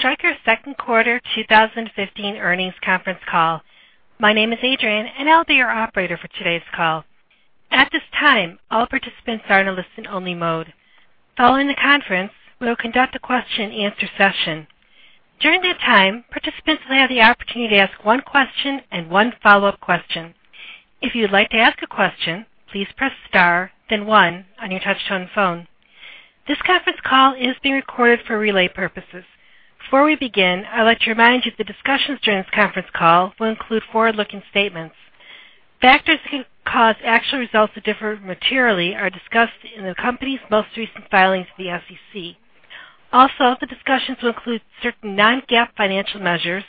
Welcome to Stryker's second quarter 2015 earnings conference call. My name is Adrian, and I'll be your operator for today's call. At this time, all participants are in a listen-only mode. Following the conference, we will conduct a question and answer session. During this time, participants will have the opportunity to ask one question and one follow-up question. If you'd like to ask a question, please press star then one on your touchtone phone. This conference call is being recorded for relay purposes. Before we begin, I'd like to remind you that the discussions during this conference call will include forward-looking statements. Factors that can cause actual results to differ materially are discussed in the company's most recent filings with the SEC. Also, the discussions will include certain non-GAAP financial measures.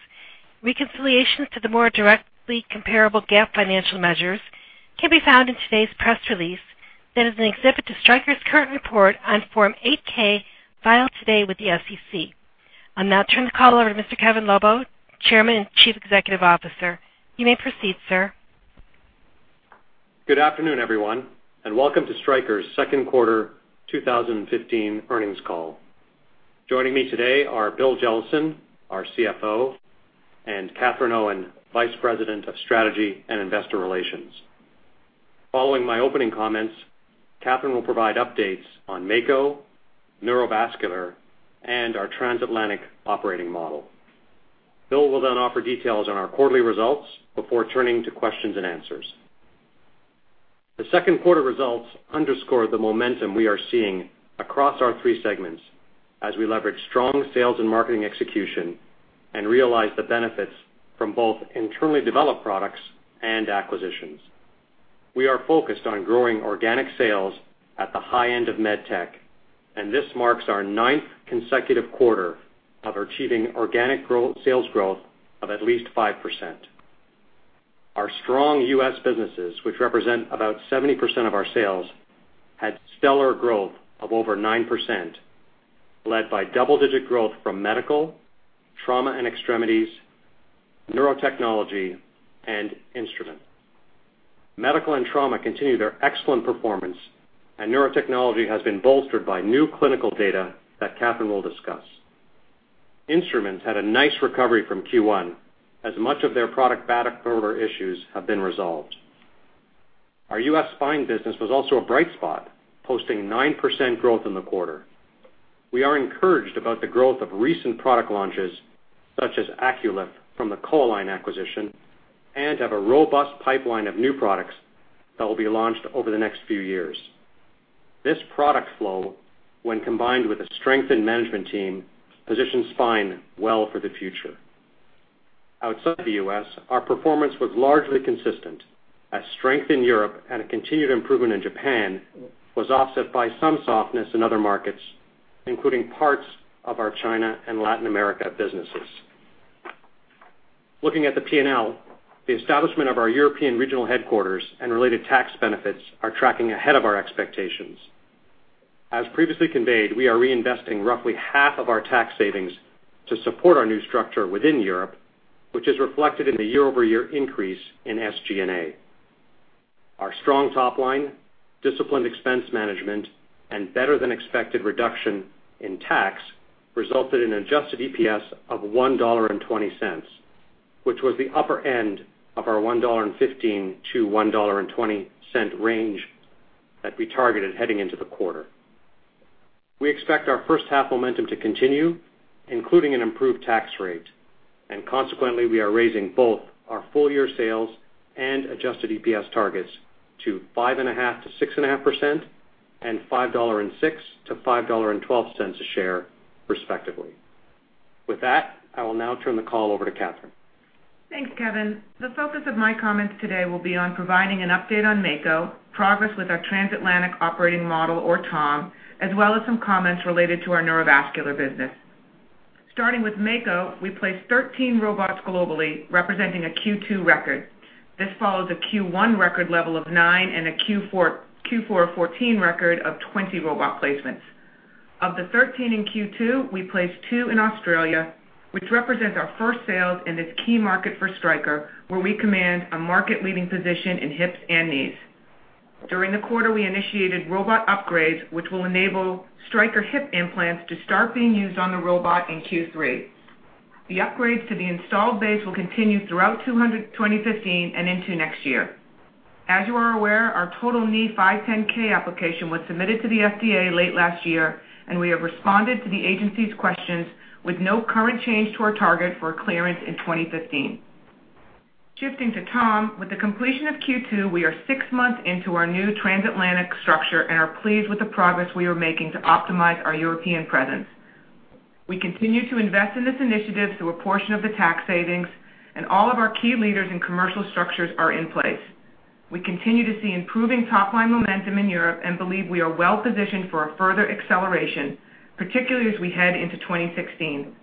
Reconciliations to the more directly comparable GAAP financial measures can be found in today's press release that is an exhibit to Stryker's current report on Form 8-K filed today with the SEC. I'll now turn the call over to Mr. Kevin Lobo, Chairman and Chief Executive Officer. You may proceed, sir. Good afternoon, everyone, and welcome to Stryker's second quarter 2015 earnings call. Joining me today are Bill Jellison, our CFO, and Katherine Owen, Vice President of Strategy and Investor Relations. Following my opening comments, Katherine will provide updates on Mako, Neurovascular, and our transatlantic operating model. Bill will offer details on our quarterly results before turning to questions and answers. The second quarter results underscore the momentum we are seeing across our three segments as we leverage strong sales and marketing execution and realize the benefits from both internally developed products and acquisitions. We are focused on growing organic sales at the high end of MedTech, and this marks our ninth consecutive quarter of achieving organic sales growth of at least 5%. Our strong U.S. businesses, which represent about 70% of our sales, had stellar growth of over 9%, led by double-digit growth from medical, trauma and extremities, neurotechnology and instrument. Medical and trauma continue their excellent performance, and neurotechnology has been bolstered by new clinical data that Katherine will discuss. Instruments had a nice recovery from Q1, as much of their product issues have been resolved. Our U.S. Spine business was also a bright spot, posting 9% growth in the quarter. We are encouraged about the growth of recent product launches such as AccuLIF from the CoAlign acquisition and have a robust pipeline of new products that will be launched over the next few years. This product flow, when combined with a strengthened management team, positions Spine well for the future. Outside the U.S., our performance was largely consistent as strength in Europe and a continued improvement in Japan was offset by some softness in other markets, including parts of our China and Latin America businesses. Looking at the P&L, the establishment of our European regional headquarters and related tax benefits are tracking ahead of our expectations. As previously conveyed, we are reinvesting roughly half of our tax savings to support our new structure within Europe, which is reflected in the year-over-year increase in SG&A. Our strong top line, disciplined expense management, and better-than-expected reduction in tax resulted in an adjusted EPS of $1.20, which was the upper end of our $1.15-$1.20 range that we targeted heading into the quarter. We expect our first half momentum to continue, including an improved tax rate, and consequently, we are raising both our full-year sales and adjusted EPS targets to 5.5%-6.5% and $5.06-$5.12 a share, respectively. With that, I will now turn the call over to Katherine. Thanks, Kevin. The focus of my comments today will be on providing an update on Mako, progress with our transatlantic operating model or TOM, as well as some comments related to our Neurovascular business. Starting with Mako, we placed 13 robots globally, representing a Q2 record. This follows a Q1 record level of nine and a Q4 of 2014 record of 20 robot placements. Of the 13 in Q2, we placed two in Australia, which represents our first sales in this key market for Stryker, where we command a market-leading position in hips and knees. During the quarter, we initiated robot upgrades, which will enable Stryker hip implants to start being used on the robot in Q3. The upgrades to the installed base will continue throughout 2015 and into next year. As you are aware, our total Knee 510 application was submitted to the FDA late last year, and we have responded to the agency's questions with no current change to our target for clearance in 2015. Shifting to TOM, with the completion of Q2, we are six months into our new transatlantic structure and are pleased with the progress we are making to optimize our European presence. We continue to invest in this initiative through a portion of the tax savings, and all of our key leaders and commercial structures are in place. We continue to see improving top-line momentum in Europe and believe we are well positioned for a further acceleration, particularly as we head into 2016.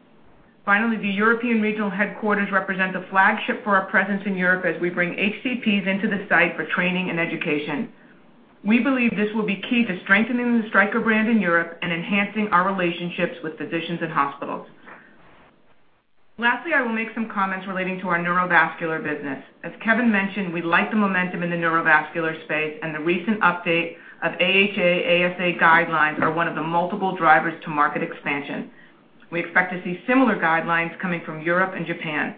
Finally, the European regional headquarters represent a flagship for our presence in Europe as we bring HCPs into the site for training and education. We believe this will be key to strengthening the Stryker brand in Europe and enhancing our relationships with physicians and hospitals. Lastly, I will make some comments relating to our Neurovascular business. As Kevin mentioned, we like the momentum in the Neurovascular space, and the recent update of AHA/ASA guidelines are one of the multiple drivers to market expansion. We expect to see similar guidelines coming from Europe and Japan.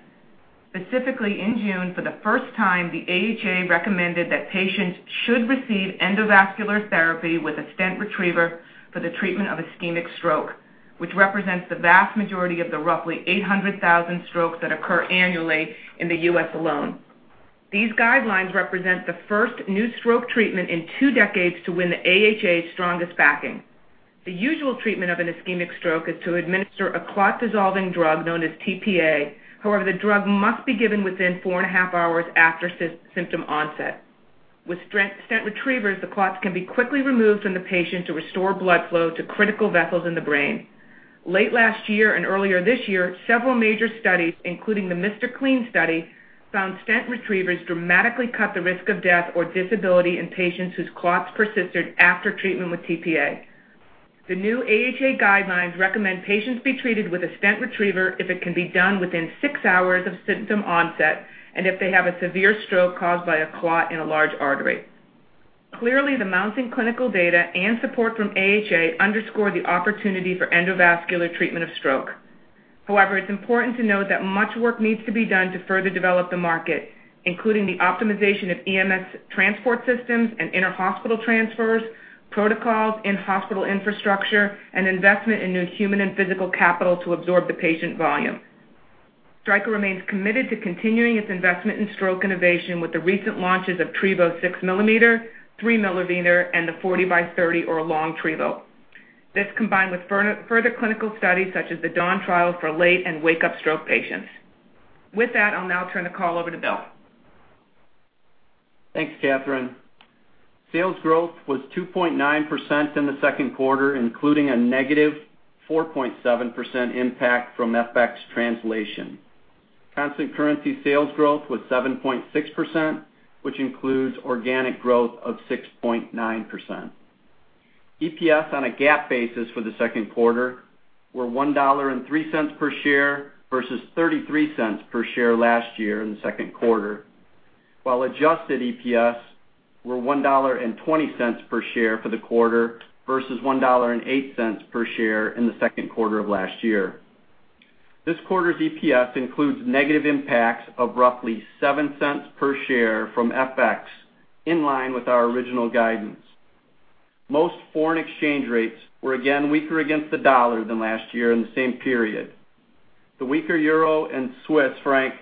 Specifically, in June, for the first time, the AHA recommended that patients should receive endovascular therapy with a stent retriever for the treatment of ischemic stroke, which represents the vast majority of the roughly 800,000 strokes that occur annually in the U.S. alone. These guidelines represent the first new stroke treatment in two decades to win the AHA's strongest backing. The usual treatment of an ischemic stroke is to administer a clot-dissolving drug known as tPA. However, the drug must be given within four and a half hours after symptom onset. With stent retrievers, the clots can be quickly removed from the patient to restore blood flow to critical vessels in the brain. Late last year and earlier this year, several major studies, including the MR CLEAN study, found stent retrievers dramatically cut the risk of death or disability in patients whose clots persisted after treatment with tPA. The new AHA guidelines recommend patients be treated with a stent retriever if it can be done within six hours of symptom onset, and if they have a severe stroke caused by a clot in a large artery. Clearly, the mounting clinical data and support from AHA underscore the opportunity for endovascular treatment of stroke. However, it's important to note that much work needs to be done to further develop the market, including the optimization of EMS transport systems and inter-hospital transfers, protocols in hospital infrastructure, and investment in new human and physical capital to absorb the patient volume. Stryker remains committed to continuing its investment in stroke innovation with the recent launches of Trevo 6 mm, 3 mm, and the 40 by 30 or Long Trevo. This, combined with further clinical studies such as the DAWN trial for late and wake-up stroke patients. With that, I'll now turn the call over to Bill. Thanks, Katherine. Sales growth was 2.9% in the second quarter, including a negative 4.7% impact from FX translation. Constant currency sales growth was 7.6%, which includes organic growth of 6.9%. EPS on a GAAP basis for the second quarter were $1.03 per share versus $0.33 per share last year in the second quarter. While adjusted EPS were $1.20 per share for the quarter versus $1.08 per share in the second quarter of last year. This quarter's EPS includes negative impacts of roughly $0.07 per share from FX, in line with our original guidance. Most foreign exchange rates were again weaker against the dollar than last year in the same period. The weaker euro and Swiss franc,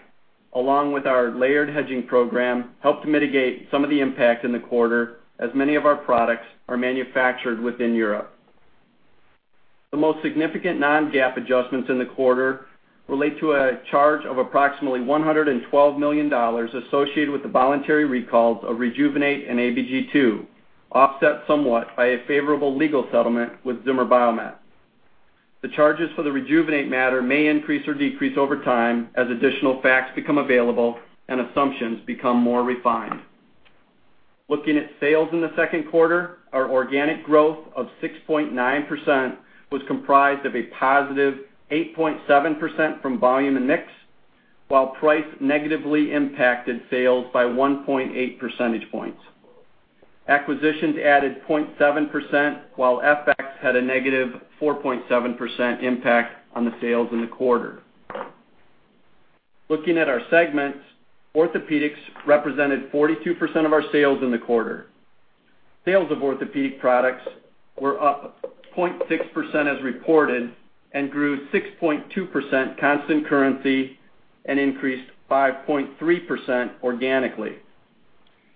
along with our layered hedging program, helped mitigate some of the impact in the quarter, as many of our products are manufactured within Europe. The most significant non-GAAP adjustments in the quarter relate to a charge of approximately $112 million associated with the voluntary recalls of Rejuvenate and ABG II, offset somewhat by a favorable legal settlement with Zimmer Biomet. The charges for the Rejuvenate matter may increase or decrease over time as additional facts become available and assumptions become more refined. Looking at sales in the second quarter, our organic growth of 6.9% was comprised of a positive 8.7% from volume and mix, while price negatively impacted sales by 1.8 percentage points. Acquisitions added 0.7%, while FX had a negative 4.7% impact on the sales in the quarter. Looking at our segments, orthopedics represented 42% of our sales in the quarter. Sales of orthopedic products were up 0.6% as reported, and grew 6.2% constant currency, and increased 5.3% organically.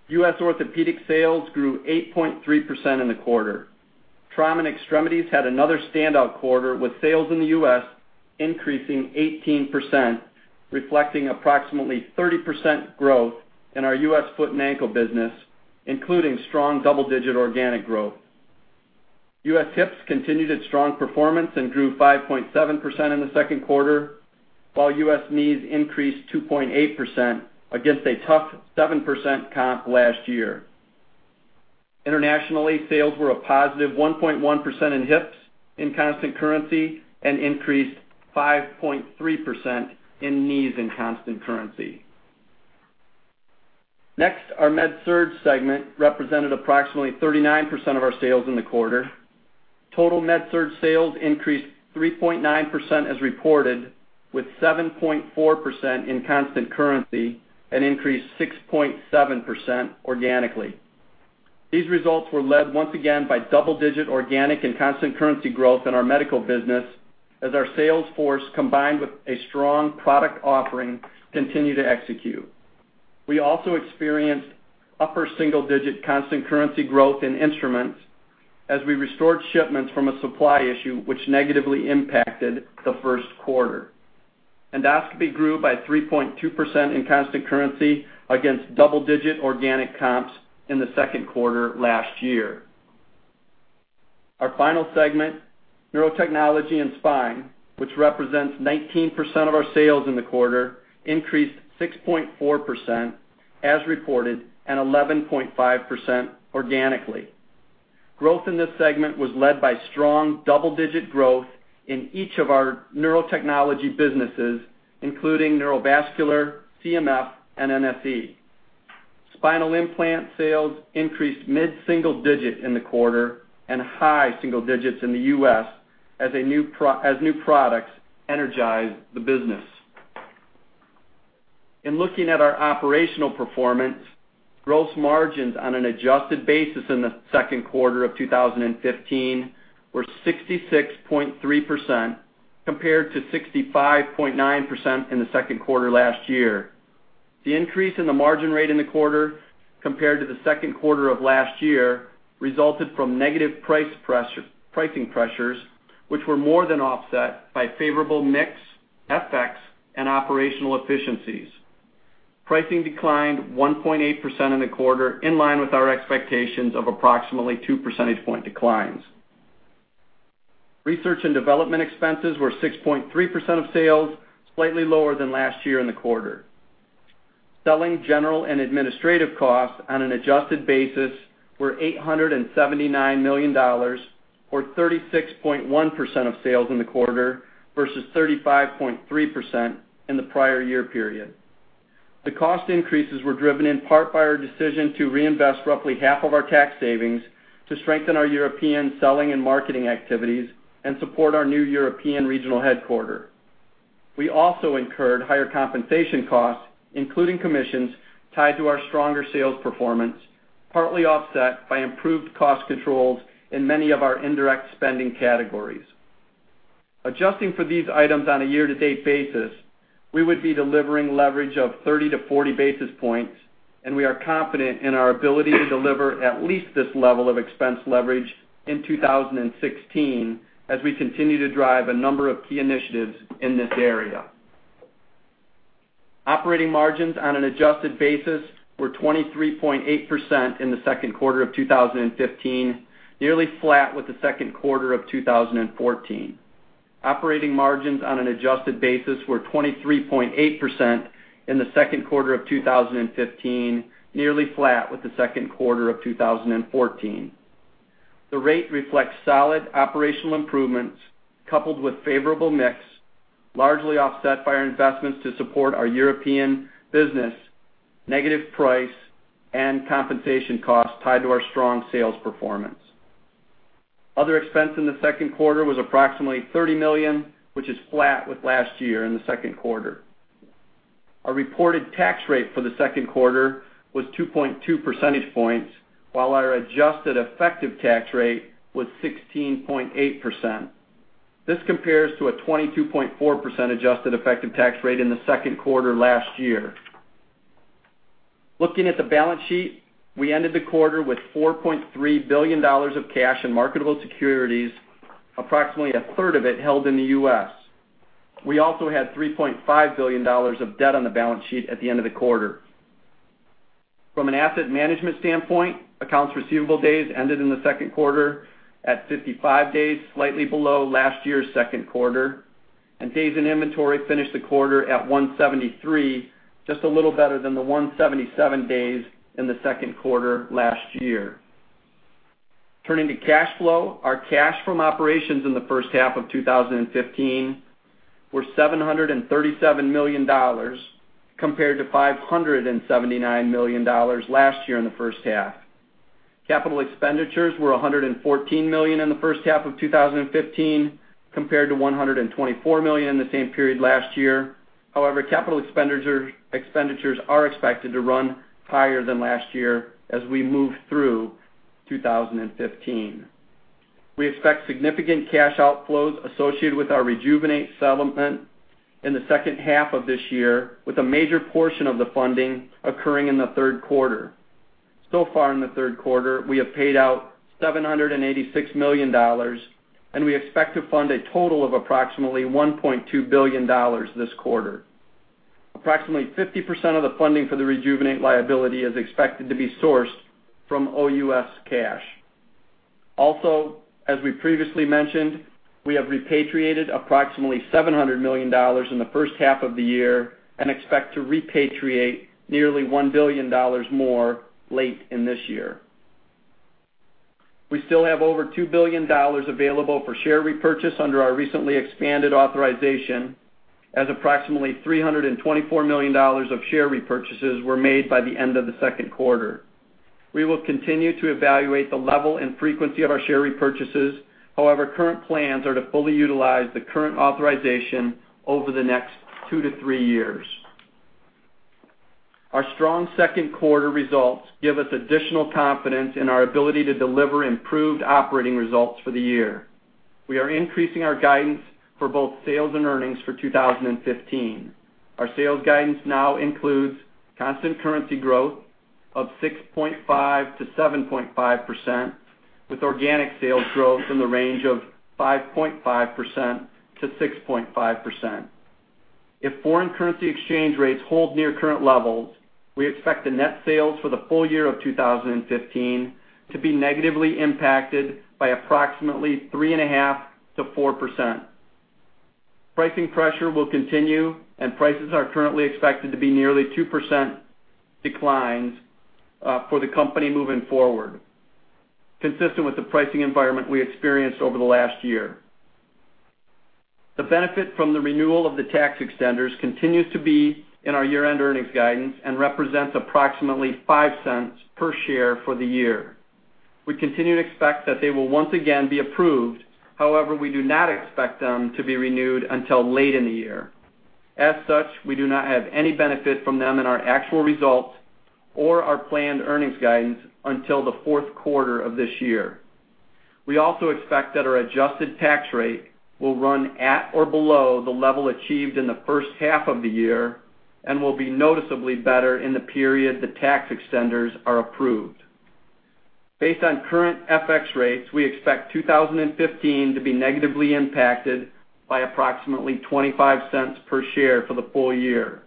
U.S. orthopedic sales grew 8.3% in the quarter. Trauma and extremities had another standout quarter, with sales in the U.S. increasing 18%, reflecting approximately 30% growth in our U.S. foot and ankle business, including strong double-digit organic growth. U.S. hips continued its strong performance and grew 5.7% in the second quarter, while U.S. knees increased 2.8% against a tough 7% comp last year. Internationally, sales were a positive 1.1% in hips in constant currency and increased 5.3% in knees in constant currency. Next, our med-surg segment represented approximately 39% of our sales in the quarter. Total med-surg sales increased 3.9% as reported, with 7.4% in constant currency and increased 6.7% organically. These results were led once again by double-digit organic and constant currency growth in our medical business as our sales force, combined with a strong product offering, continued to execute. We also experienced upper single-digit constant currency growth in instruments as we restored shipments from a supply issue, which negatively impacted the first quarter. Endoscopy grew by 3.2% in constant currency against double-digit organic comps in the second quarter last year. Our final segment, neurotechnology and spine, which represents 19% of our sales in the quarter, increased 6.4% as reported and 11.5% organically. Growth in this segment was led by strong double-digit growth in each of our neurotechnology businesses, including Neurovascular, CMF, and NFE. Spinal implant sales increased mid-single digit in the quarter and high single digits in the U.S. as new products energize the business. In looking at our operational performance, gross margins on an adjusted basis in the second quarter of 2015 were 66.3% compared to 65.9% in the second quarter last year. The increase in the margin rate in the quarter compared to the second quarter of last year resulted from negative pricing pressures, which were more than offset by favorable mix, FX, and operational efficiencies. Pricing declined 1.8% in the quarter, in line with our expectations of approximately two percentage point declines. Research and development expenses were 6.3% of sales, slightly lower than last year in the quarter. Selling, general and administrative costs on an adjusted basis were $879 million, or 36.1% of sales in the quarter versus 35.3% in the prior year period. The cost increases were driven in part by our decision to reinvest roughly half of our tax savings to strengthen our European selling and marketing activities and support our new European regional headquarter. We also incurred higher compensation costs, including commissions tied to our stronger sales performance, partly offset by improved cost controls in many of our indirect spending categories. Adjusting for these items on a year-to-date basis, we would be delivering leverage of 30 to 40 basis points, and we are confident in our ability to deliver at least this level of expense leverage in 2016 as we continue to drive a number of key initiatives in this area. Operating margins on an adjusted basis were 23.8% in the second quarter of 2015, nearly flat with the second quarter of 2014. Operating margins on an adjusted basis were 23.8% in the second quarter of 2015, nearly flat with the second quarter of 2014. The rate reflects solid operational improvements coupled with favorable mix, largely offset by our investments to support our European business, negative price, and compensation costs tied to our strong sales performance. Other expense in the second quarter was approximately $30 million, which is flat with last year in the second quarter. Our reported tax rate for the second quarter was 2.2 percentage points, while our adjusted effective tax rate was 16.8%. This compares to a 22.4% adjusted effective tax rate in the second quarter last year. Looking at the balance sheet, we ended the quarter with $4.3 billion of cash in marketable securities, approximately a third of it held in the U.S. We also had $3.5 billion of debt on the balance sheet at the end of the quarter. From an asset management standpoint, accounts receivable days ended in the second quarter at 55 days, slightly below last year's second quarter, and days in inventory finished the quarter at 173, just a little better than the 177 days in the second quarter last year. Turning to cash flow, our cash from operations in the first half of 2015 were $737 million compared to $579 million last year in the first half. Capital expenditures were $114 million in the first half of 2015 compared to $124 million in the same period last year. Capital expenditures are expected to run higher than last year as we move through 2015. We expect significant cash outflows associated with our Rejuvenate settlement in the second half of this year, with a major portion of the funding occurring in the third quarter. In the third quarter, we have paid out $786 million, and we expect to fund a total of approximately $1.2 billion this quarter. Approximately 50% of the funding for the Rejuvenate liability is expected to be sourced from OUS cash. As we previously mentioned, we have repatriated approximately $700 million in the first half of the year and expect to repatriate nearly $1 billion more late in this year. We still have over $2 billion available for share repurchase under our recently expanded authorization, as approximately $324 million of share repurchases were made by the end of the second quarter. We will continue to evaluate the level and frequency of our share repurchases. Current plans are to fully utilize the current authorization over the next two to three years. Our strong second quarter results give us additional confidence in our ability to deliver improved operating results for the year. We are increasing our guidance for both sales and earnings for 2015. Our sales guidance now includes constant currency growth of 6.5%-7.5%, with organic sales growth in the range of 5.5%-6.5%. If foreign currency exchange rates hold near current levels, we expect the net sales for the full year of 2015 to be negatively impacted by approximately 3.5%-4%. Pricing pressure will continue, and prices are currently expected to be nearly 2% declines for the company moving forward, consistent with the pricing environment we experienced over the last year. The benefit from the renewal of the tax extenders continues to be in our year-end earnings guidance and represents approximately $0.05 per share for the year. We continue to expect that they will once again be approved. However, we do not expect them to be renewed until late in the year. As such, we do not have any benefit from them in our actual results or our planned earnings guidance until the fourth quarter of this year. We also expect that our adjusted tax rate will run at or below the level achieved in the first half of the year and will be noticeably better in the period the tax extenders are approved. Based on current FX rates, we expect 2015 to be negatively impacted by approximately $0.25 per share for the full year.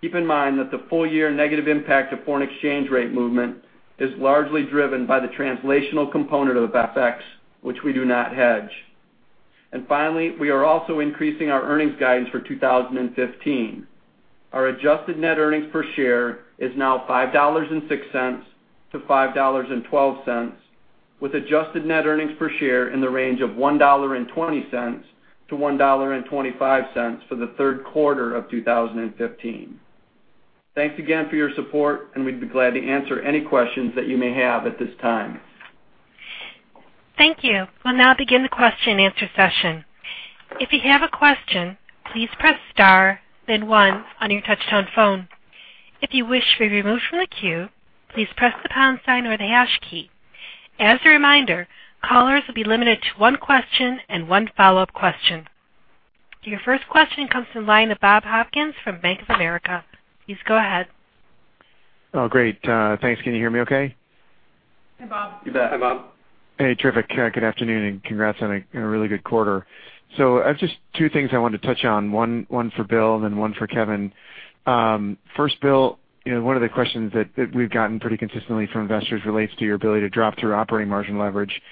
Keep in mind that the full-year negative impact of foreign exchange rate movement is largely driven by the translational component of FX, which we do not hedge. Finally, we are also increasing our earnings guidance for 2015. Our adjusted net earnings per share is now $5.06-$5.12, with adjusted net earnings per share in the range of $1.20-$1.25 for the third quarter of 2015. Thanks again for your support. We'd be glad to answer any questions that you may have at this time. Thank you. We'll now begin the question and answer session. If you have a question, please press star one on your touchtone phone. If you wish to be removed from the queue, please press the pound sign or the hash key. As a reminder, callers will be limited to one question and one follow-up question. Your first question comes from the line of Bob Hopkins from Bank of America. Please go ahead. Oh, great. Thanks. Can you hear me okay? Hey, Bob. Hey, terrific. Good afternoon, congrats on a really good quarter. I have just two things I wanted to touch on, one for Bill, then one for Kevin. First, Bill, one of the questions that we've gotten pretty consistently from investors relates to your ability to drop through operating margin leverage.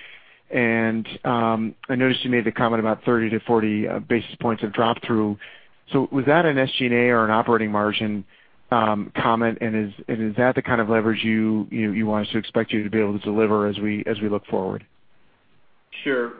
I noticed you made the comment about 30-40 basis points of drop through. Was that an SG&A or an operating margin comment, and is that the kind of leverage you want us to expect you to be able to deliver as we look forward? Sure.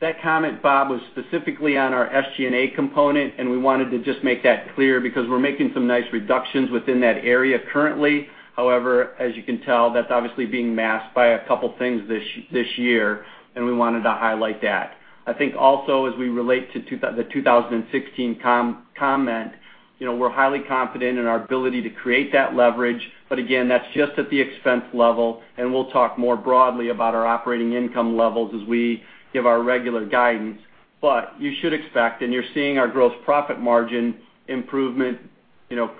That comment, Bob, was specifically on our SG&A component, and we wanted to just make that clear because we're making some nice reductions within that area currently. However, as you can tell, that's obviously being masked by a couple things this year, and we wanted to highlight that. I think also as we relate to the 2016 comment, we're highly confident in our ability to create that leverage. Again, that's just at the expense level, and we'll talk more broadly about our operating income levels as we give our regular guidance. You should expect, and you're seeing our gross profit margin improvement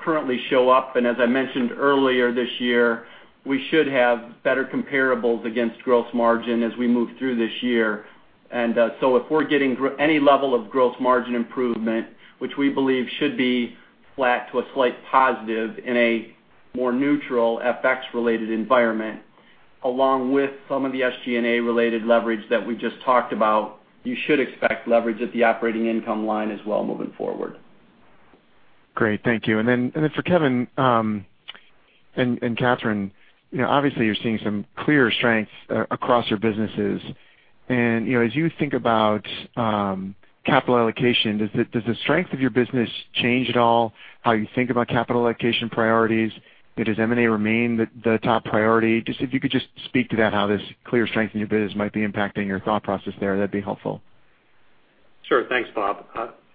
currently show up. As I mentioned earlier this year, we should have better comparables against gross margin as we move through this year. If we're getting any level of gross margin improvement, which we believe should be flat to a slight positive in a more neutral FX-related environment, along with some of the SG&A-related leverage that we just talked about, you should expect leverage at the operating income line as well moving forward. Great. Thank you. For Kevin and Katherine, obviously you're seeing some clear strengths across your businesses. As you think about capital allocation, does the strength of your business change at all how you think about capital allocation priorities? Does M&A remain the top priority? If you could just speak to that, how this clear strength in your business might be impacting your thought process there, that'd be helpful. Sure. Thanks, Bob.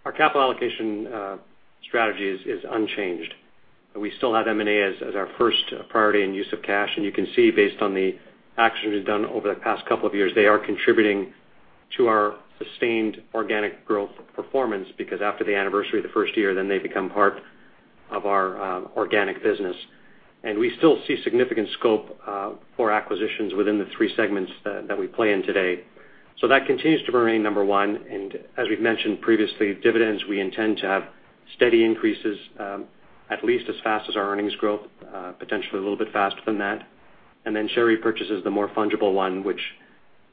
Our capital allocation strategy is unchanged. We still have M&A as our first priority in use of cash. You can see based on the actions we've done over the past couple of years, they are contributing to our sustained organic growth performance because after the anniversary of the first year, then they become part of our organic business. We still see significant scope for acquisitions within the three segments that we play in today. That continues to remain number one, as we've mentioned previously, dividends, we intend to have steady increases at least as fast as our earnings growth, potentially a little bit faster than that. Share repurchase is the more fungible one, which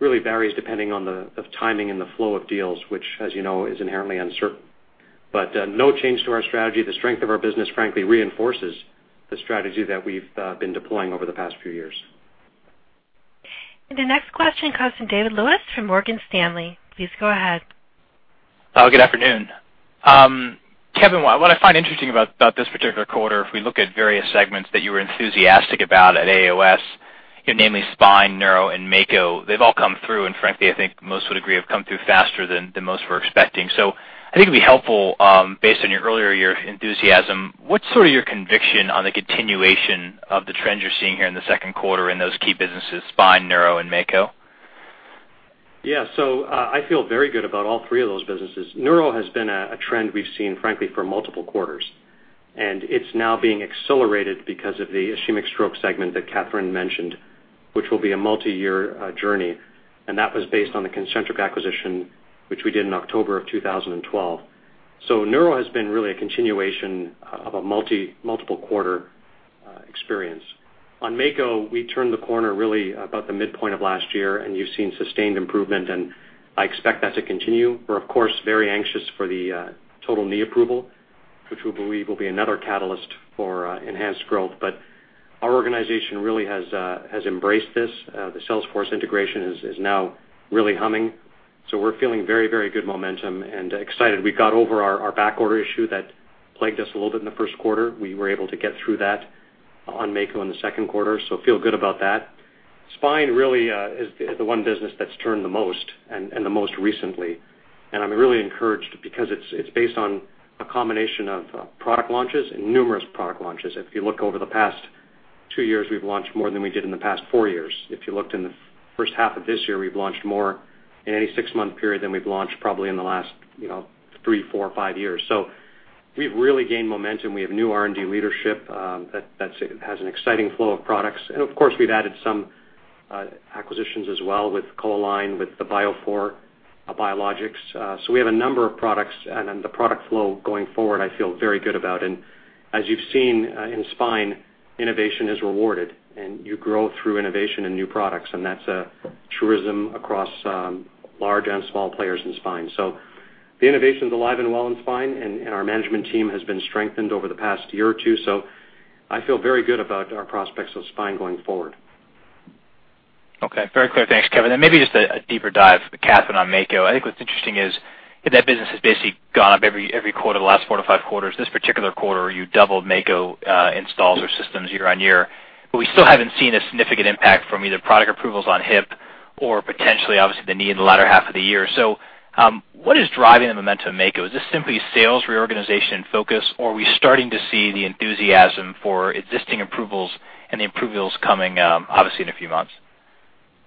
really varies depending on the timing and the flow of deals, which as you know, is inherently uncertain. No change to our strategy. The strength of our business, frankly, reinforces the strategy that we've been deploying over the past few years. The next question comes from David Lewis from Morgan Stanley. Please go ahead. Good afternoon. Kevin, what I find interesting about this particular quarter, if we look at various segments that you were enthusiastic about at AAOS, namely Spine, Neuro, and Mako, they've all come through, and frankly, I think most would agree have come through faster than most were expecting. I think it'd be helpful, based on your earlier enthusiasm, what's sort of your conviction on the continuation of the trends you're seeing here in the second quarter in those key businesses, Spine, Neuro, and Mako? I feel very good about all three of those businesses. Neuro has been a trend we've seen, frankly, for multiple quarters, and it's now being accelerated because of the ischemic stroke segment that Katherine mentioned, which will be a multi-year journey, and that was based on the Concentric acquisition, which we did in October of 2012. Neuro has been really a continuation of a multiple quarter experience. On Mako, we turned the corner really about the midpoint of last year, and you've seen sustained improvement, and I expect that to continue. We're, of course, very anxious for the total knee approval, which we believe will be another catalyst for enhanced growth. Our organization really has embraced this. The sales force integration is now really humming. We're feeling very, very good momentum and excited. We got over our backorder issue that plagued us a little bit in the first quarter. We were able to get through that on Mako in the second quarter, so feel good about that. Spine really is the one business that's turned the most and the most recently. I'm really encouraged because it's based on a combination of product launches and numerous product launches. If you look over the past two years, we've launched more than we did in the past four years. If you looked in the first half of this year, we've launched more in any six-month period than we've launched probably in the last three, four, five years. We've really gained momentum. We have new R&D leadership that has an exciting flow of products. Of course, we've added some acquisitions as well with CoAlign, with the Bio4 Biologics. We have a number of products, the product flow going forward, I feel very good about. As you've seen in Spine, innovation is rewarded, and you grow through innovation and new products, and that's a truism across large and small players in Spine. The innovation is alive and well in Spine, our management team has been strengthened over the past year or two, I feel very good about our prospects with Spine going forward. Okay. Very clear. Thanks, Kevin. Maybe just a deeper dive, Katherine, on Mako. I think what's interesting is that business has basically gone up every quarter, the last four to five quarters. This particular quarter, you doubled Mako installs or systems year-over-year, we still haven't seen a significant impact from either product approvals on Hip or potentially, obviously, the Knee in the latter half of the year. What is driving the momentum of Mako? Is this simply sales reorganization focus, or are we starting to see the enthusiasm for existing approvals and the approvals coming obviously in a few months?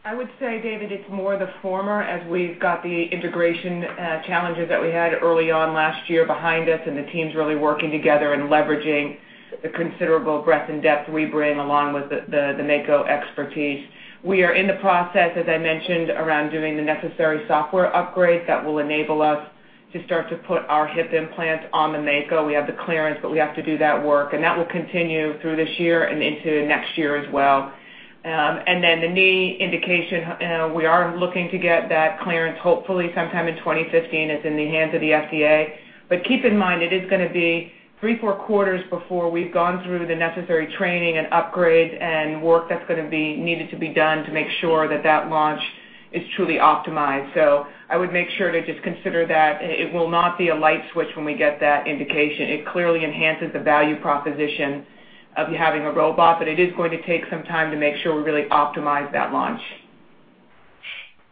I would say, David, it's more the former as we've got the integration challenges that we had early on last year behind us and the teams really working together and leveraging the considerable breadth and depth we bring along with the Mako expertise. We are in the process, as I mentioned, around doing the necessary software upgrade that will enable us to start to put our Hip implants on the Mako. We have the clearance, we have to do that work, that will continue through this year and into next year as well. The Knee indication, we are looking to get that clearance, hopefully sometime in 2015. It's in the hands of the FDA. Keep in mind, it is going to be three, four quarters before we've gone through the necessary training and upgrade and work that's going to be needed to be done to make sure that that launch is truly optimized. I would make sure to just consider that it will not be a light switch when we get that indication. It clearly enhances the value proposition of having a robot, it is going to take some time to make sure we really optimize that launch.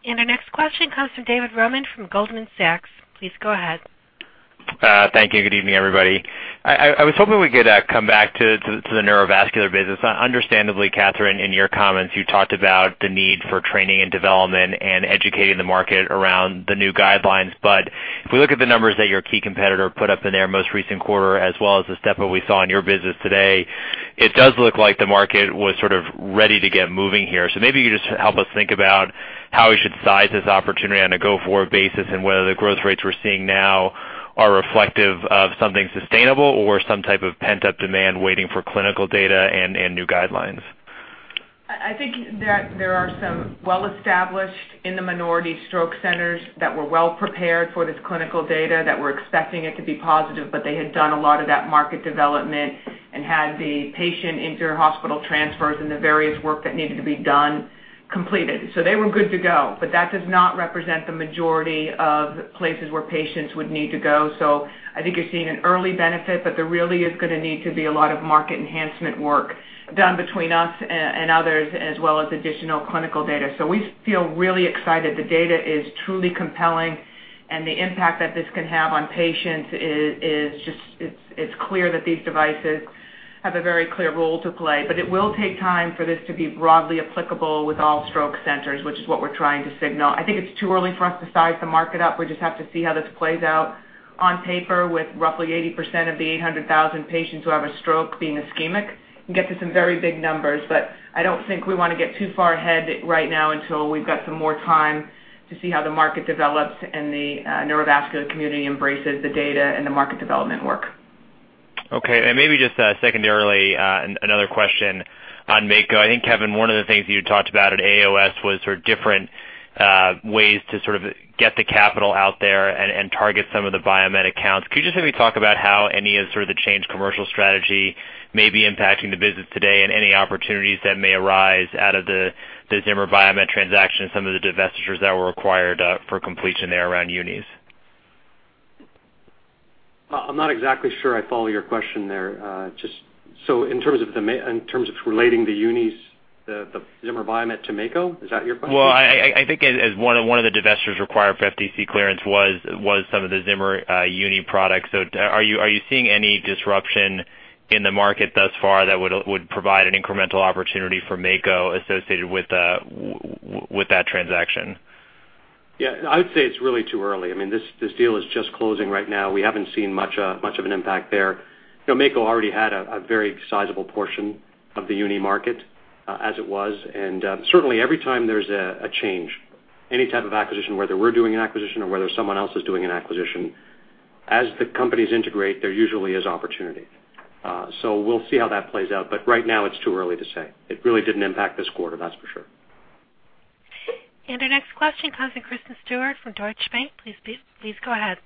Our next question comes from David Roman from Goldman Sachs. Please go ahead. Thank you. Good evening, everybody. I was hoping we could come back to the Neurovascular business. Understandably, Katherine, in your comments, you talked about the need for training and development and educating the market around the new guidelines. If we look at the numbers that your key competitor put up in their most recent quarter, as well as the step that we saw in your business today, it does look like the market was sort of ready to get moving here. Maybe you could just help us think about how we should size this opportunity on a go-forward basis and whether the growth rates we're seeing now are reflective of something sustainable or some type of pent-up demand waiting for clinical data and new guidelines. I think that there are some well-established in the minority stroke centers that were well prepared for this clinical data that were expecting it to be positive, but they had done a lot of that market development and had the patient inter-hospital transfers and the various work that needed to be done completed. They were good to go. That does not represent the majority of places where patients would need to go. I think you're seeing an early benefit, but there really is going to need to be a lot of market enhancement work done between us and others, as well as additional clinical data. We feel really excited. The data is truly compelling, and the impact that this can have on patients is clear that these devices have a very clear role to play. It will take time for this to be broadly applicable with all stroke centers, which is what we're trying to signal. I think it's too early for us to size the market up. We just have to see how this plays out. On paper, with roughly 80% of the 800,000 patients who have a stroke being ischemic, you get to some very big numbers. I don't think we want to get too far ahead right now until we've got some more time to see how the market develops and the Neurovascular community embraces the data and the market development work. Maybe just secondarily, another question on Mako. I think, Kevin, one of the things you talked about at AAOS was sort of different ways to sort of get the capital out there and target some of the Biomet accounts. Could you just maybe talk about how any of sort of the changed commercial strategy may be impacting the business today and any opportunities that may arise out of the Zimmer Biomet transaction, some of the divestitures that were required for completion there around unis? I'm not exactly sure I follow your question there. In terms of relating the unis, the Zimmer Biomet to Mako, is that your question? Well, I think as one of the divestitures required for FTC clearance was some of the Zimmer uni products. Are you seeing any disruption in the market thus far that would provide an incremental opportunity for Mako associated with that transaction? Yeah. I would say it's really too early. This deal is just closing right now. We haven't seen much of an impact there. Mako already had a very sizable portion of the uni market as it was. Certainly every time there's a change, any type of acquisition, whether we're doing an acquisition or whether someone else is doing an acquisition As the companies integrate, there usually is opportunity. We'll see how that plays out, but right now it's too early to say. It really didn't impact this quarter, that's for sure. Our next question comes from Kristen Stewart from Deutsche Bank. Please go ahead.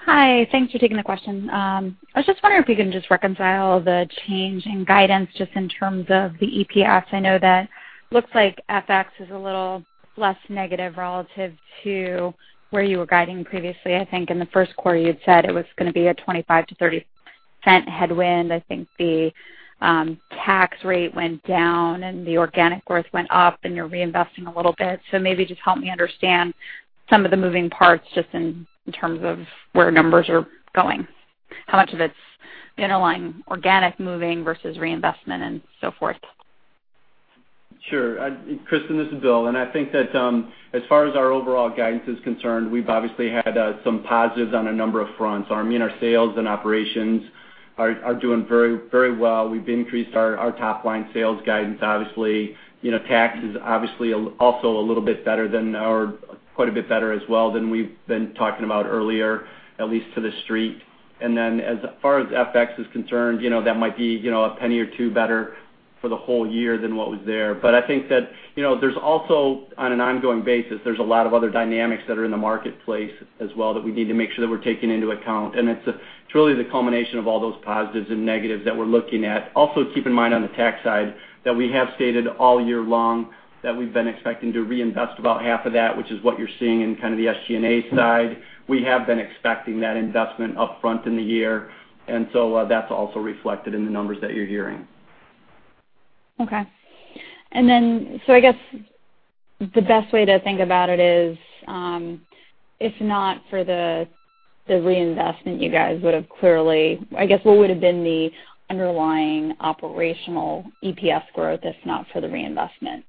Hi. Thanks for taking the question. I was just wondering if you can just reconcile the change in guidance, just in terms of the EPS. I know that looks like FX is a little less negative relative to where you were guiding previously. I think in the first quarter you had said it was going to be a $0.25-$0.30 headwind. I think the tax rate went down and the organic growth went up, and you're reinvesting a little bit. Maybe just help me understand some of the moving parts, just in terms of where numbers are going. How much of it's underlying organic moving versus reinvestment and so forth? Sure. Kristen, this is Bill. I think that as far as our overall guidance is concerned, we've obviously had some positives on a number of fronts. Our sales and operations are doing very well. We've increased our top-line sales guidance, obviously. Tax is obviously also a little bit better than quite a bit better as well than we've been talking about earlier, at least to the Street. As far as FX is concerned, that might be a $0.01 or $0.02 better for the whole year than what was there. I think that there's also, on an ongoing basis, there's a lot of other dynamics that are in the marketplace as well that we need to make sure that we're taking into account. It's really the culmination of all those positives and negatives that we're looking at. Also, keep in mind on the tax side, that we have stated all year long that we've been expecting to reinvest about half of that, which is what you're seeing in kind of the SG&A side. We have been expecting that investment upfront in the year, that's also reflected in the numbers that you're hearing. Okay. I guess the best way to think about it is, if not for the reinvestment, what would have been the underlying operational EPS growth if not for the reinvestment?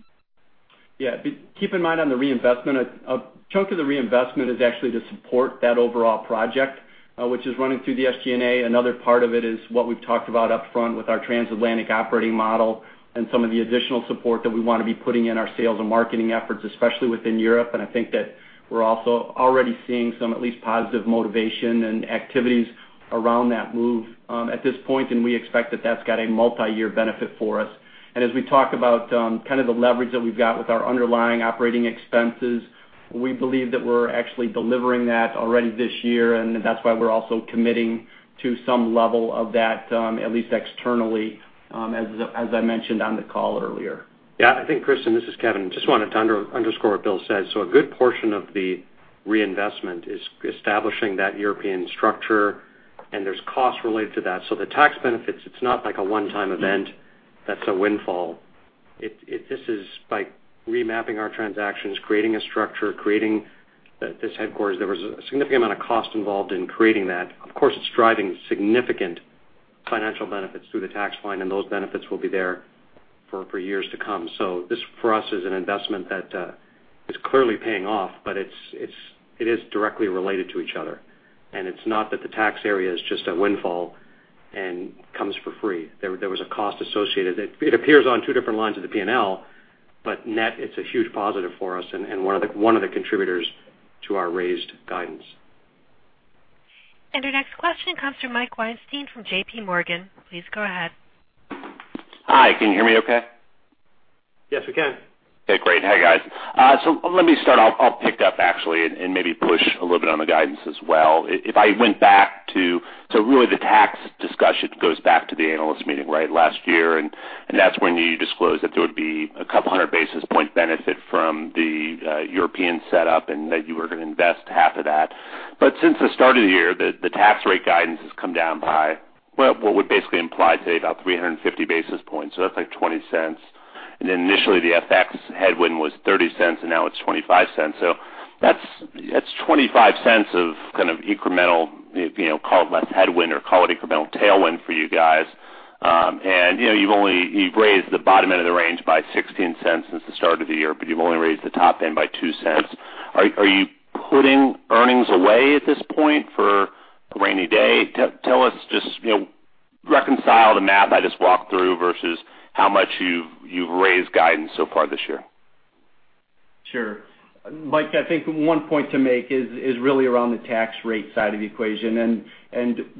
Yeah. Keep in mind on the reinvestment, a chunk of the reinvestment is actually to support that overall project, which is running through the SG&A. Another part of it is what we've talked about upfront with our Transatlantic Operating Model and some of the additional support that we want to be putting in our sales and marketing efforts, especially within Europe. I think that we're also already seeing some at least positive motivation and activities around that move at this point, and we expect that that's got a multi-year benefit for us. As we talk about kind of the leverage that we've got with our underlying operating expenses, we believe that we're actually delivering that already this year, and that's why we're also committing to some level of that at least externally, as I mentioned on the call earlier. Yeah. I think, Kristen, this is Kevin. Just wanted to underscore what Bill said. A good portion of the reinvestment is establishing that European structure, and there's costs related to that. The tax benefits, it's not like a one-time event that's a windfall. This is by remapping our transactions, creating a structure, creating this headquarters. There was a significant amount of cost involved in creating that. Of course, it's driving significant financial benefits through the tax line, and those benefits will be there for years to come. This, for us, is an investment that is clearly paying off, but it is directly related to each other. It's not that the tax area is just a windfall and comes for free. There was a cost associated. It appears on two different lines of the P&L, net, it's a huge positive for us and one of the contributors to our raised guidance. Our next question comes from Mike Weinstein from JPMorgan. Please go ahead. Hi, can you hear me okay? Yes, we can. Okay, great. Hey, guys. Let me start off, I'll pick up actually, and maybe push a little bit on the guidance as well. If I went back to really the tax discussion goes back to the analyst meeting, right, last year, and that's when you disclosed that there would be a 200 basis points benefit from the European setup and that you were going to invest half of that. Since the start of the year, the tax rate guidance has come down by, well, what would basically imply today about 350 basis points, so that's like $0.20. Initially the FX headwind was $0.30 and now it's $0.25. That's $0.25 of kind of incremental, call it less headwind or call it incremental tailwind for you guys. You've raised the bottom end of the range by $0.16 since the start of the year, but you've only raised the top end by $0.02. Are you putting earnings away at this point for a rainy day? Tell us, just reconcile the math I just walked through versus how much you've raised guidance so far this year. Sure. Mike, I think one point to make is really around the tax rate side of the equation.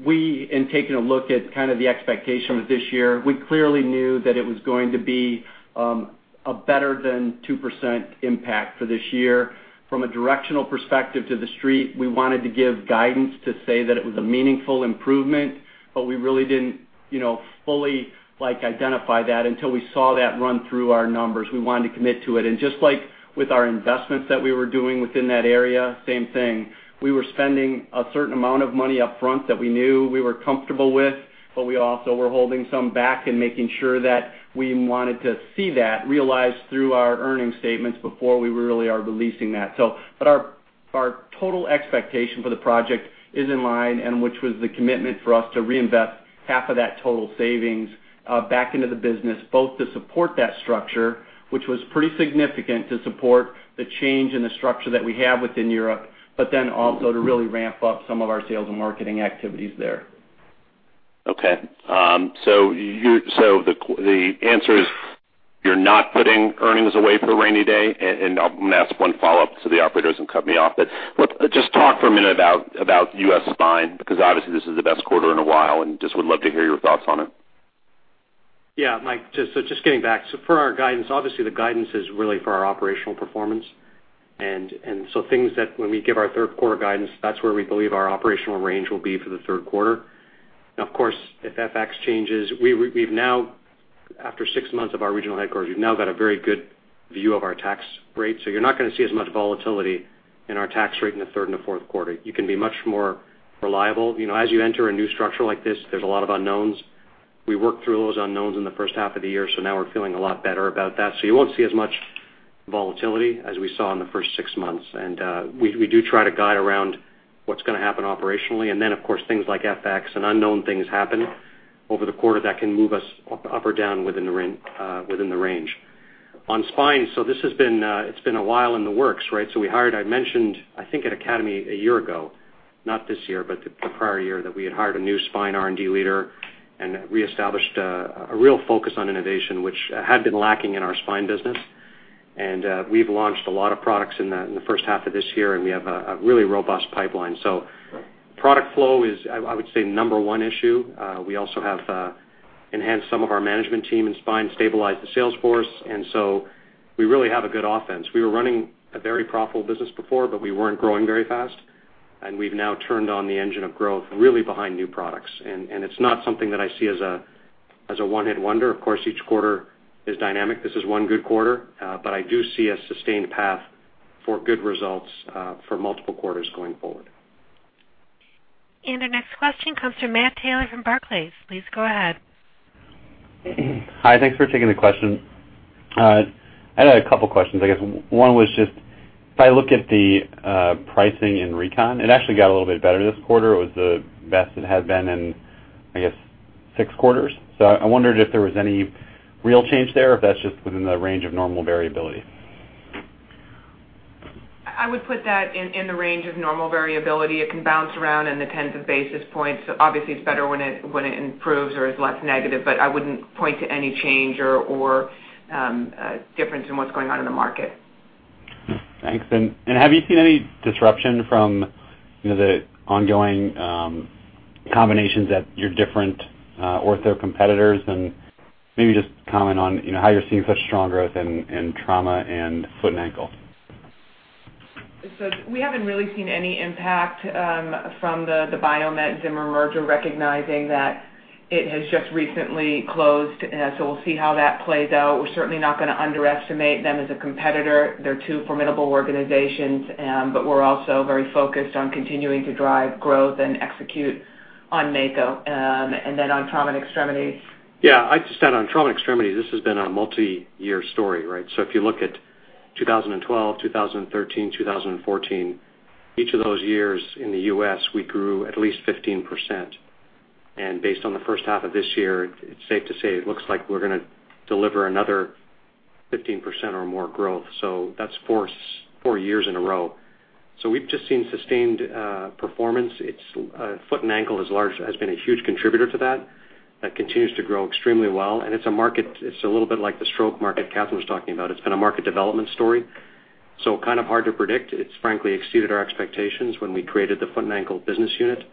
We, in taking a look at kind of the expectations this year, we clearly knew that it was going to be a better than 2% impact for this year. From a directional perspective to the Street, we wanted to give guidance to say that it was a meaningful improvement, but we really didn't fully identify that until we saw that run through our numbers. We wanted to commit to it. Just like with our investments that we were doing within that area, same thing. We were spending a certain amount of money upfront that we knew we were comfortable with, but we also were holding some back and making sure that we wanted to see that realized through our earning statements before we really are releasing that. Our total expectation for the project is in line, and which was the commitment for us to reinvest half of that total savings back into the business, both to support that structure, which was pretty significant to support the change in the structure that we have within Europe, but then also to really ramp up some of our sales and marketing activities there. Okay. The answer is you're not putting earnings away for a rainy day, and I'm going to ask one follow-up so the operator doesn't cut me off. Just talk for a minute about U.S. Spine, because obviously this is the best quarter in a while, and just would love to hear your thoughts on it. Yeah, Mike, just getting back. For our guidance, obviously the guidance is really for our operational performance. Things that when we give our third quarter guidance, that's where we believe our operational range will be for the third quarter. Of course, if FX changes, after six months of our regional headquarters, we've now got a very good view of our tax rate. You're not going to see as much volatility in our tax rate in the third and the fourth quarter. You can be much more reliable. You enter a new structure like this, there's a lot of unknowns. We worked through those unknowns in the first half of the year, now we're feeling a lot better about that. You won't see as much volatility as we saw in the first six months. We do try to guide around what's going to happen operationally. Of course, things like FX and unknown things happen over the quarter that can move us up or down within the range. On spine, this has been a while in the works, right? I mentioned, I think at Academy a year ago, not this year, but the prior year, that we had hired a new spine R&D leader and reestablished a real focus on innovation, which had been lacking in our spine business. We've launched a lot of products in the first half of this year. We have a really robust pipeline. Product flow is, I would say, number 1 issue. We also have enhanced some of our management team in spine, stabilized the sales force. We really have a good offense. We were running a very profitable business before. We weren't growing very fast. We've now turned on the engine of growth really behind new products. It's not something that I see as a one-hit wonder. Of course, each quarter is dynamic. This is one good quarter. I do see a sustained path for good results for multiple quarters going forward. Our next question comes from Matthew Taylor from Barclays. Please go ahead. Hi. Thanks for taking the question. I had a couple questions. I guess one was just, if I look at the pricing in recon, it actually got a little bit better this quarter. It was the best it had been in, I guess, six quarters. I wondered if there was any real change there, or if that's just within the range of normal variability. I would put that in the range of normal variability. It can bounce around in the tens of basis points. Obviously, it's better when it improves or is less negative, I wouldn't point to any change or difference in what's going on in the market. Thanks. Have you seen any disruption from the ongoing combinations at your different ortho competitors? Maybe just comment on how you're seeing such strong growth in trauma and foot and ankle. We haven't really seen any impact from the Biomet Zimmer merger, recognizing that it has just recently closed, so we'll see how that plays out. We're certainly not going to underestimate them as a competitor. They're two formidable organizations. We're also very focused on continuing to drive growth and execute on Mako. On trauma and extremities. Yeah, I'd just add on trauma and extremities, this has been a multi-year story, right? If you look at 2012, 2013, 2014, each of those years in the U.S., we grew at least 15%. Based on the first half of this year, it's safe to say it looks like we're going to deliver another 15% or more growth. That's four years in a row. We've just seen sustained performance. Foot and ankle has been a huge contributor to that. That continues to grow extremely well, and it's a little bit like the stroke market Katherine was talking about. It's been a market development story, kind of hard to predict. It's frankly exceeded our expectations when we created the foot and ankle business unit.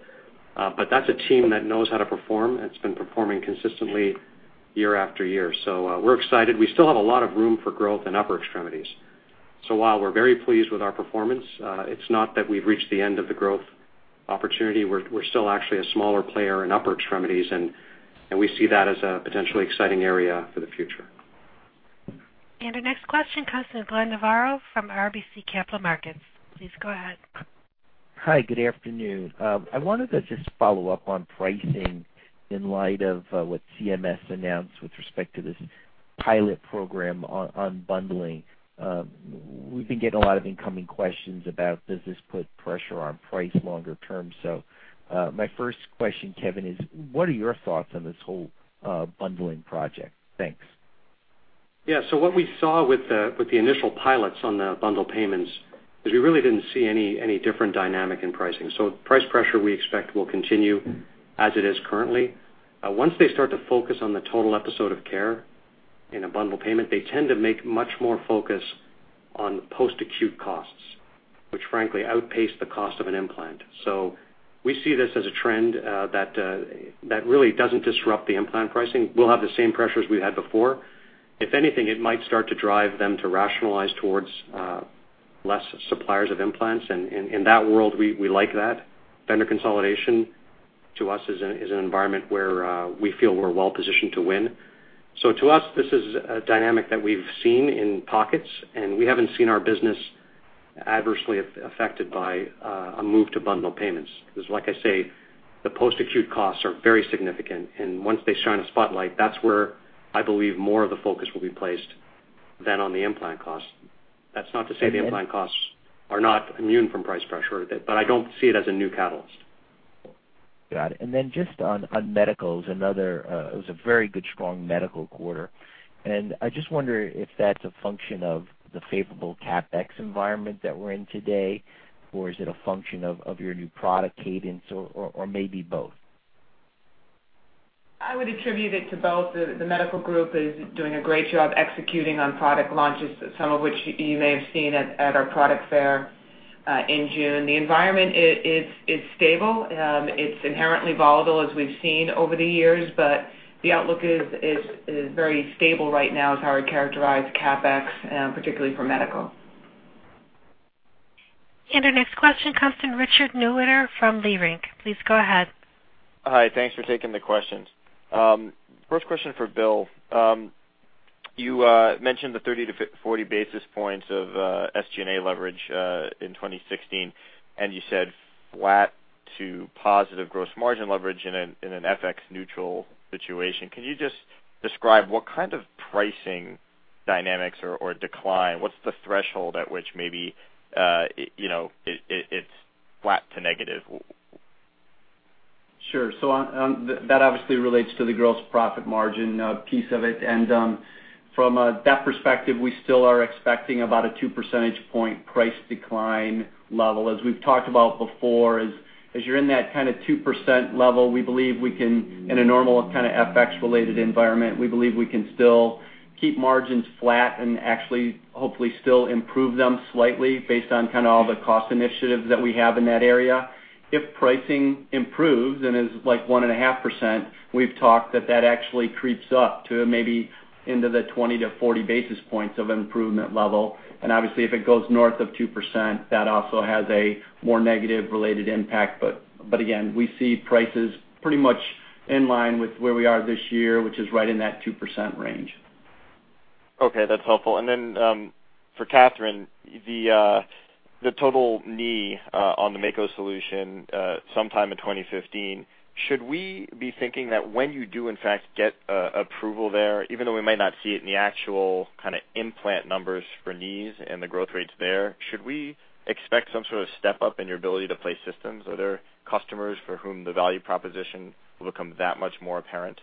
That's a team that knows how to perform, and it's been performing consistently year after year. We're excited. We still have a lot of room for growth in upper extremities. While we're very pleased with our performance, it's not that we've reached the end of the growth opportunity. We're still actually a smaller player in upper extremities, and we see that as a potentially exciting area for the future. Our next question comes from Glenn Novarro from RBC Capital Markets. Please go ahead. Hi, good afternoon. I wanted to just follow up on pricing in light of what CMS announced with respect to this pilot program on bundling. We've been getting a lot of incoming questions about does this put pressure on price longer term. My first question, Kevin, is what are your thoughts on this whole bundling project? Thanks. What we saw with the initial pilots on the bundle payments is we really didn't see any different dynamic in pricing. Price pressure we expect will continue as it is currently. Once they start to focus on the total episode of care in a bundle payment, they tend to make much more focus on post-acute costs, which frankly outpace the cost of an implant. We see this as a trend that really doesn't disrupt the implant pricing. We'll have the same pressures we had before. If anything, it might start to drive them to rationalize towards less suppliers of implants, and in that world, we like that. Vendor consolidation to us is an environment where we feel we're well positioned to win. To us, this is a dynamic that we've seen in pockets, and we haven't seen our business adversely affected by a move to bundle payments, because like I say, the post-acute costs are very significant, and once they shine a spotlight, that's where I believe more of the focus will be placed than on the implant cost. That's not to say the implant costs are not immune from price pressure, but I don't see it as a new catalyst. Got it. Just on medicals, it was a very good, strong medical quarter, and I just wonder if that's a function of the favorable CapEx environment that we're in today, or is it a function of your new product cadence, or maybe both? I would attribute it to both. The medical group is doing a great job executing on product launches, some of which you may have seen at our product fair in June. The environment is stable. It's inherently volatile, as we've seen over the years, but the outlook is very stable right now, is how I'd characterize CapEx, particularly for medical. Our next question comes from Richard Newitter from Leerink. Please go ahead. Hi. Thanks for taking the questions. First question for Bill. You mentioned the 30-40 basis points of SG&A leverage in 2016, and you said flat to positive gross margin leverage in an FX neutral situation. Can you just describe what kind of pricing dynamics or decline? What's the threshold at which maybe it's flat to negative? Sure. That obviously relates to the gross profit margin piece of it. From that perspective, we still are expecting about a two percentage point price decline level. As we've talked about before, as you're in that kind of 2% level, we believe we can, in a normal kind of FX related environment, we believe we can still keep margins flat and actually hopefully still improve them slightly based on all the cost initiatives that we have in that area. If pricing improves and is like 1.5%, we've talked that that actually creeps up to maybe into the 20-40 basis points of improvement level. Obviously, if it goes north of 2%, that also has a more negative related impact. Again, we see prices pretty much in line with where we are this year, which is right in that 2% range. Okay. That's helpful. Then, for Katherine, the total knee on the Mako solution sometime in 2015, should we be thinking that when you do in fact get approval there, even though we might not see it in the actual kind of implant numbers for knees and the growth rates there, should we expect some sort of step up in your ability to place systems? Are there customers for whom the value proposition will become that much more apparent?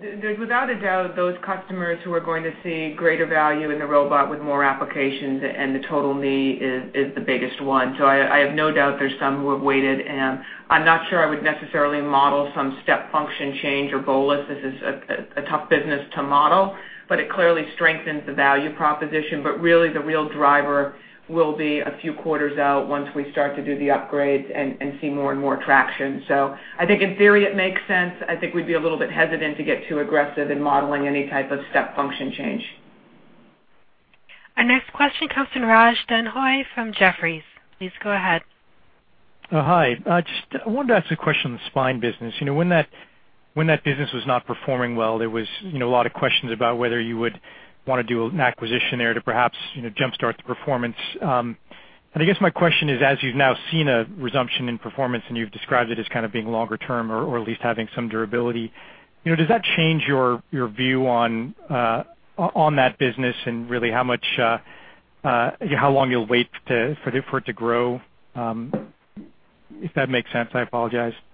There's without a doubt, those customers who are going to see greater value in the robot with more applications and the total knee is the biggest one. I have no doubt there's some who have waited, and I'm not sure I would necessarily model some step function change or bolus. This is a tough business to model, but it clearly strengthens the value proposition. Really, the real driver will be a few quarters out once we start to do the upgrades and see more and more traction. I think in theory, it makes sense. I think we'd be a little bit hesitant to get too aggressive in modeling any type of step function change. Our next question comes from Raj Denhoy from Jefferies. Please go ahead. Hi. Just I wanted to ask a question on the spine business. When that business was not performing well, there was a lot of questions about whether you would want to do an acquisition there to perhaps jumpstart the performance. I guess my question is, as you've now seen a resumption in performance and you've described it as kind of being longer term or at least having some durability, does that change your view on that business and really how long you'll wait for it to grow? If that makes sense, I apologize. I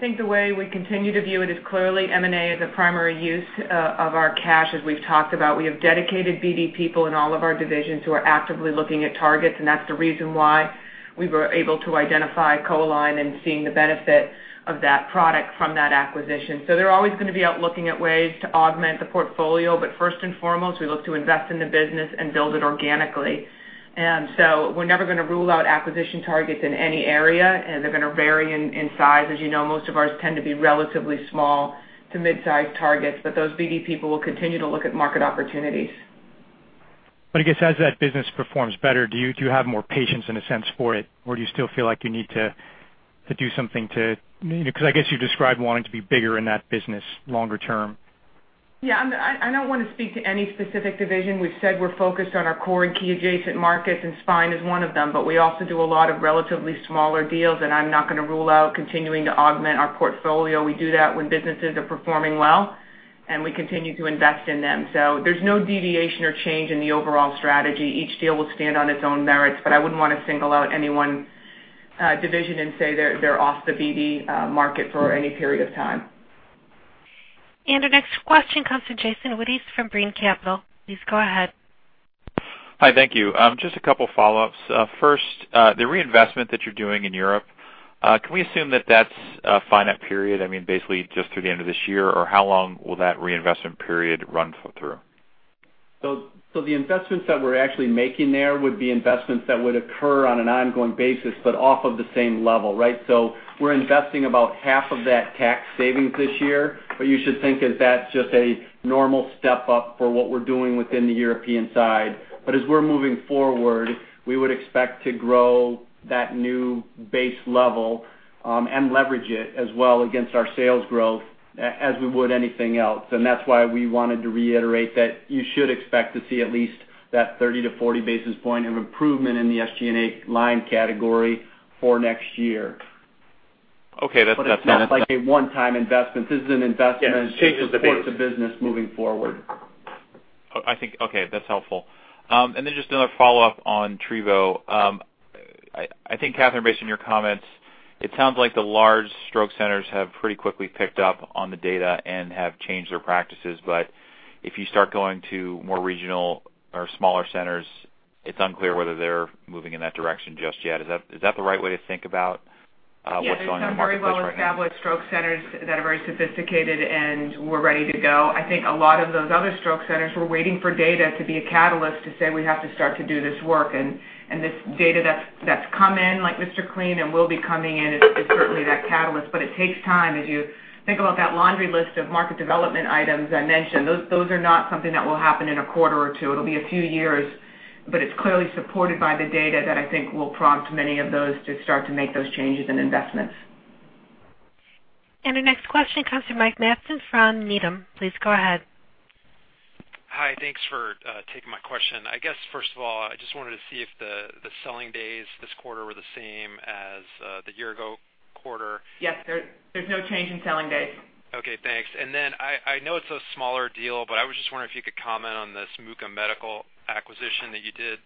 think the way we continue to view it is clearly M&A is a primary use of our cash, as we've talked about. We have dedicated BD people in all of our divisions who are actively looking at targets, and that's the reason why we were able to identify CoAlign and seeing the benefit of that product from that acquisition. They're always going to be out looking at ways to augment the portfolio, but first and foremost, we look to invest in the business and build it organically. We're never going to rule out acquisition targets in any area, and they're going to vary in size. As you know, most of ours tend to be relatively small to mid-size targets, but those BD people will continue to look at market opportunities. I guess as that business performs better, do you have more patience in a sense for it, or do you still feel like you need to do something because I guess you described wanting to be bigger in that business longer term. I don't want to speak to any specific division. We've said we're focused on our core and key adjacent markets, spine is one of them, we also do a lot of relatively smaller deals, I'm not going to rule out continuing to augment our portfolio. We do that when businesses are performing well, and we continue to invest in them. There's no deviation or change in the overall strategy. Each deal will stand on its own merits, but I wouldn't want to single out any one division and say they're off the BD market for any period of time. Our next question comes from Jason Wittes from Brean Capital. Please go ahead. Hi. Thank you. Just a couple follow-ups. First, the reinvestment that you're doing in Europe, can we assume that that's a finite period, I mean, basically just through the end of this year, or how long will that reinvestment period run through? The investments that we're actually making there would be investments that would occur on an ongoing basis, off of the same level, right? We're investing about half of that tax savings this year. What you should think is that's just a normal step up for what we're doing within the European side. As we're moving forward, we would expect to grow that new base level and leverage it as well against our sales growth as we would anything else. That's why we wanted to reiterate that you should expect to see at least that 30 to 40 basis point of improvement in the SG&A line category for next year. Okay. That's- It's not like a one-time investment. This is an investment- Yes. It changes the base to support the business moving forward. Okay, that's helpful. Just another follow-up on Trevo. I think Katherine, based on your comments, it sounds like the large stroke centers have pretty quickly picked up on the data and have changed their practices. If you start going to more regional or smaller centers It's unclear whether they're moving in that direction just yet. Is that the right way to think about what's going on in the marketplace right now? Yeah. There's some very well-established stroke centers that are very sophisticated and were ready to go. I think a lot of those other stroke centers were waiting for data to be a catalyst to say, "We have to start to do this work." This data that's come in, like MR CLEAN and will be coming in, is certainly that catalyst. It takes time. As you think about that laundry list of market development items I mentioned, those are not something that will happen in a quarter or two. It'll be a few years, it's clearly supported by the data that I think will prompt many of those to start to make those changes and investments. Our next question comes from Mike Matson from Needham. Please go ahead. Hi. Thanks for taking my question. I guess, first of all, I just wanted to see if the selling days this quarter were the same as the year-ago quarter. Yes. There's no change in selling days. Okay, thanks. I know it's a smaller deal, but I was just wondering if you could comment on this Muka Medical acquisition that you did.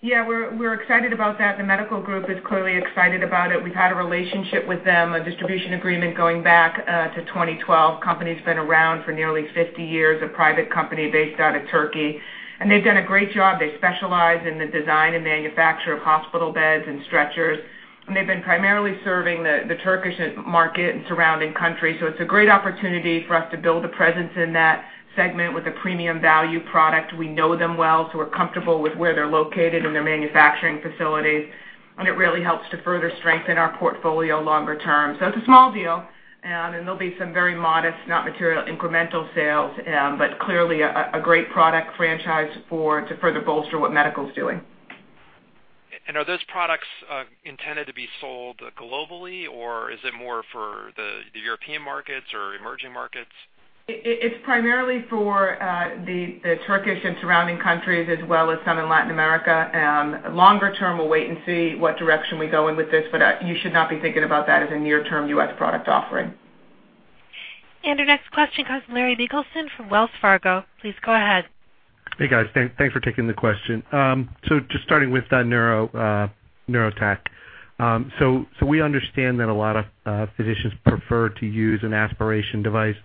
Yeah. We're excited about that. The medical group is clearly excited about it. We've had a relationship with them, a distribution agreement going back to 2012. Company's been around for nearly 50 years, a private company based out of Turkey, and they've done a great job. They specialize in the design and manufacture of hospital beds and stretchers, and they've been primarily serving the Turkish market and surrounding countries. It's a great opportunity for us to build a presence in that segment with a premium value product. We know them well, we're comfortable with where they're located and their manufacturing facilities, it really helps to further strengthen our portfolio longer term. It's a small deal, there'll be some very modest, not material, incremental sales clearly a great product franchise to further bolster what medical's doing. Are those products intended to be sold globally, or is it more for the European markets or emerging markets? It's primarily for the Turkish and surrounding countries, as well as some in Latin America. Longer term, we'll wait and see what direction we go in with this, you should not be thinking about that as a near-term U.S. product offering. Our next question comes from Larry Biegelsen from Wells Fargo. Please go ahead. Hey, guys. Thanks for taking the question. Just starting with Neurovascular. We understand that a lot of physicians prefer to use an aspiration device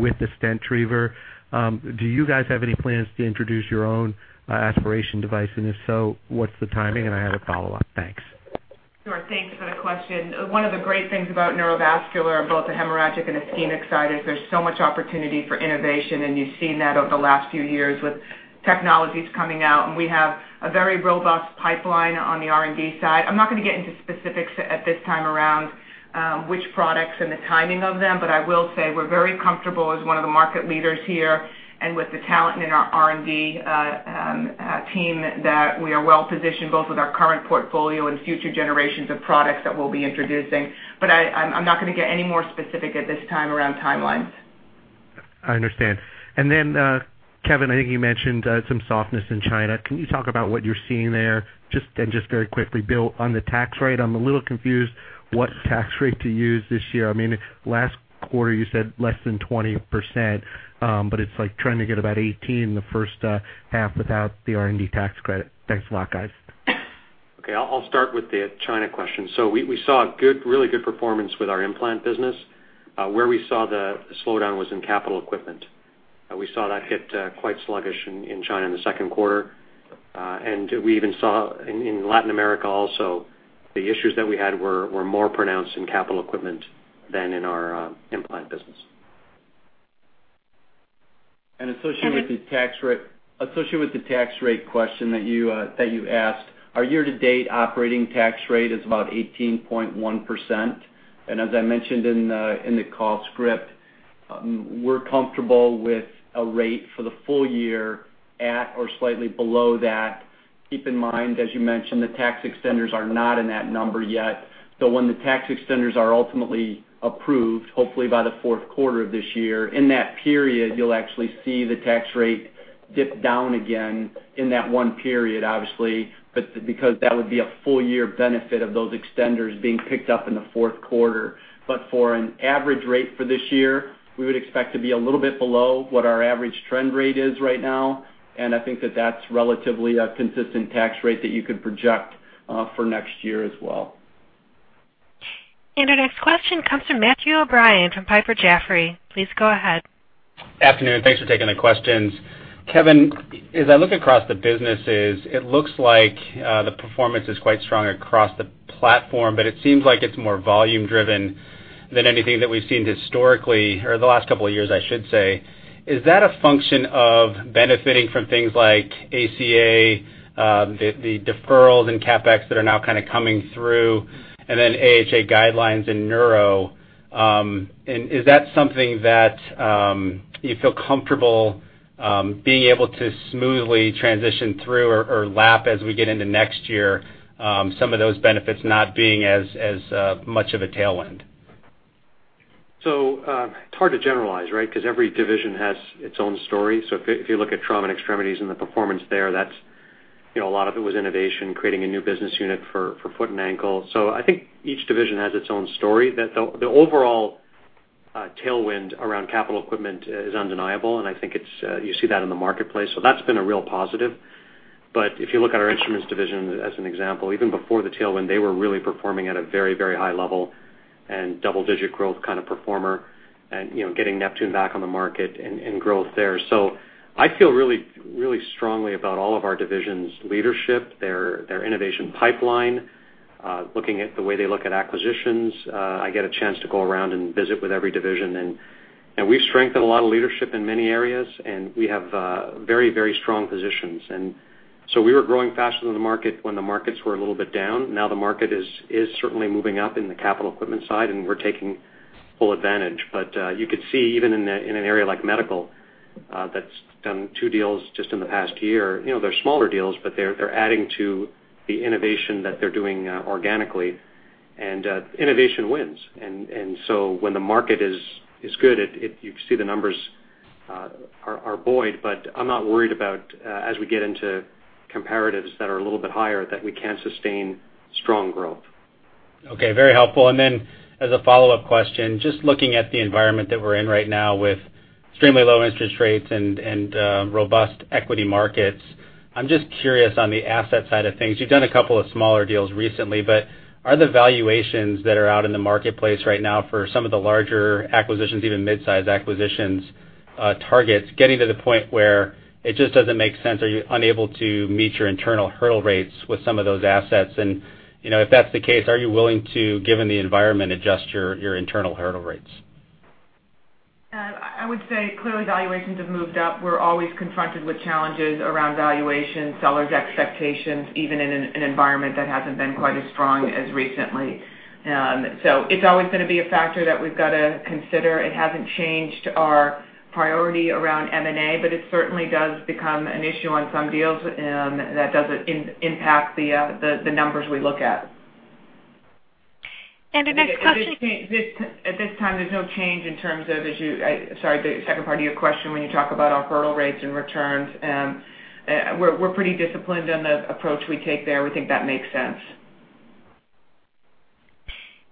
with the stent retriever. Do you guys have any plans to introduce your own aspiration device? If so, what's the timing? I had a follow-up. Thanks. Sure. Thanks for the question. One of the great things about Neurovascular, both the hemorrhagic and ischemic side, is there's so much opportunity for innovation, and you've seen that over the last few years with technologies coming out. We have a very robust pipeline on the R&D side. I'm not going to get into specifics at this time around which products and the timing of them, but I will say we're very comfortable as one of the market leaders here and with the talent in our R&D team that we are well-positioned both with our current portfolio and future generations of products that we'll be introducing. I'm not going to get any more specific at this time around timelines. I understand. Kevin, I think you mentioned some softness in China. Can you talk about what you're seeing there? Just very quickly, Bill, on the tax rate, I'm a little confused what tax rate to use this year. Last quarter you said less than 20%, but it's trying to get about 18 in the first half without the R&D tax credit. Thanks a lot, guys. Okay. I'll start with the China question. We saw a really good performance with our implant business. Where we saw the slowdown was in capital equipment. We saw that hit quite sluggish in China in the second quarter. We even saw in Latin America also, the issues that we had were more pronounced in capital equipment than in our implant business. Associated with the tax rate question that you asked, our year-to-date operating tax rate is about 18.1%. As I mentioned in the call script, we're comfortable with a rate for the full year at or slightly below that. Keep in mind, as you mentioned, the tax extenders are not in that number yet. When the tax extenders are ultimately approved, hopefully by the fourth quarter of this year, in that period, you'll actually see the tax rate dip down again in that one period, obviously, because that would be a full-year benefit of those extenders being picked up in the fourth quarter. For an average rate for this year, we would expect to be a little bit below what our average trend rate is right now, and I think that that's relatively a consistent tax rate that you could project for next year as well. Our next question comes from Matthew O'Brien from Piper Jaffray. Please go ahead. Afternoon. Thanks for taking the questions. Kevin, as I look across the businesses, it looks like the performance is quite strong across the platform, but it seems like it's more volume driven than anything that we've seen historically, or the last couple of years, I should say. Is that a function of benefiting from things like ACA, the deferrals in CapEx that are now kind of coming through, and then AHA guidelines in neuro? Is that something that you feel comfortable being able to smoothly transition through or lap as we get into next year, some of those benefits not being as much of a tailwind? It's hard to generalize, right? Because every division has its own story. If you look at trauma and extremities and the performance there, a lot of it was innovation, creating a new business unit for foot and ankle. I think each division has its own story. The overall tailwind around capital equipment is undeniable, and I think you see that in the marketplace. That's been a real positive. If you look at our instruments division as an example, even before the tailwind, they were really performing at a very high level and double-digit growth kind of performer and getting Neptune back on the market and growth there. I feel really strongly about all of our divisions' leadership, their innovation pipeline, looking at the way they look at acquisitions. I get a chance to go around and visit with every division, we've strengthened a lot of leadership in many areas, and we have very strong positions. We were growing faster than the market when the markets were a little bit down. The market is certainly moving up in the capital equipment side, and we're taking full advantage. You could see even in an area like medical, that's done two deals just in the past year. They're smaller deals, but they're adding to the innovation that they're doing organically and innovation wins. When the market is good, you see the numbers are buoyed, but I'm not worried about as we get into comparatives that are a little bit higher, that we can't sustain strong growth. Okay. Very helpful. As a follow-up question, just looking at the environment that we're in right now with extremely low interest rates and robust equity markets, I'm just curious on the asset side of things. You've done a couple of smaller deals recently, but are the valuations that are out in the marketplace right now for some of the larger acquisitions, even mid-size acquisitions, targets getting to the point where it just doesn't make sense? Are you unable to meet your internal hurdle rates with some of those assets? If that's the case, are you willing to, given the environment, adjust your internal hurdle rates? I would say clearly valuations have moved up. We're always confronted with challenges around valuation, sellers' expectations, even in an environment that hasn't been quite as strong as recently. It's always going to be a factor that we've got to consider. It hasn't changed our priority around M&A, it certainly does become an issue on some deals, and that doesn't impact the numbers we look at. Our next question. At this time, there's no change in terms of the second part of your question when you talk about our hurdle rates and returns. We're pretty disciplined in the approach we take there. We think that makes sense.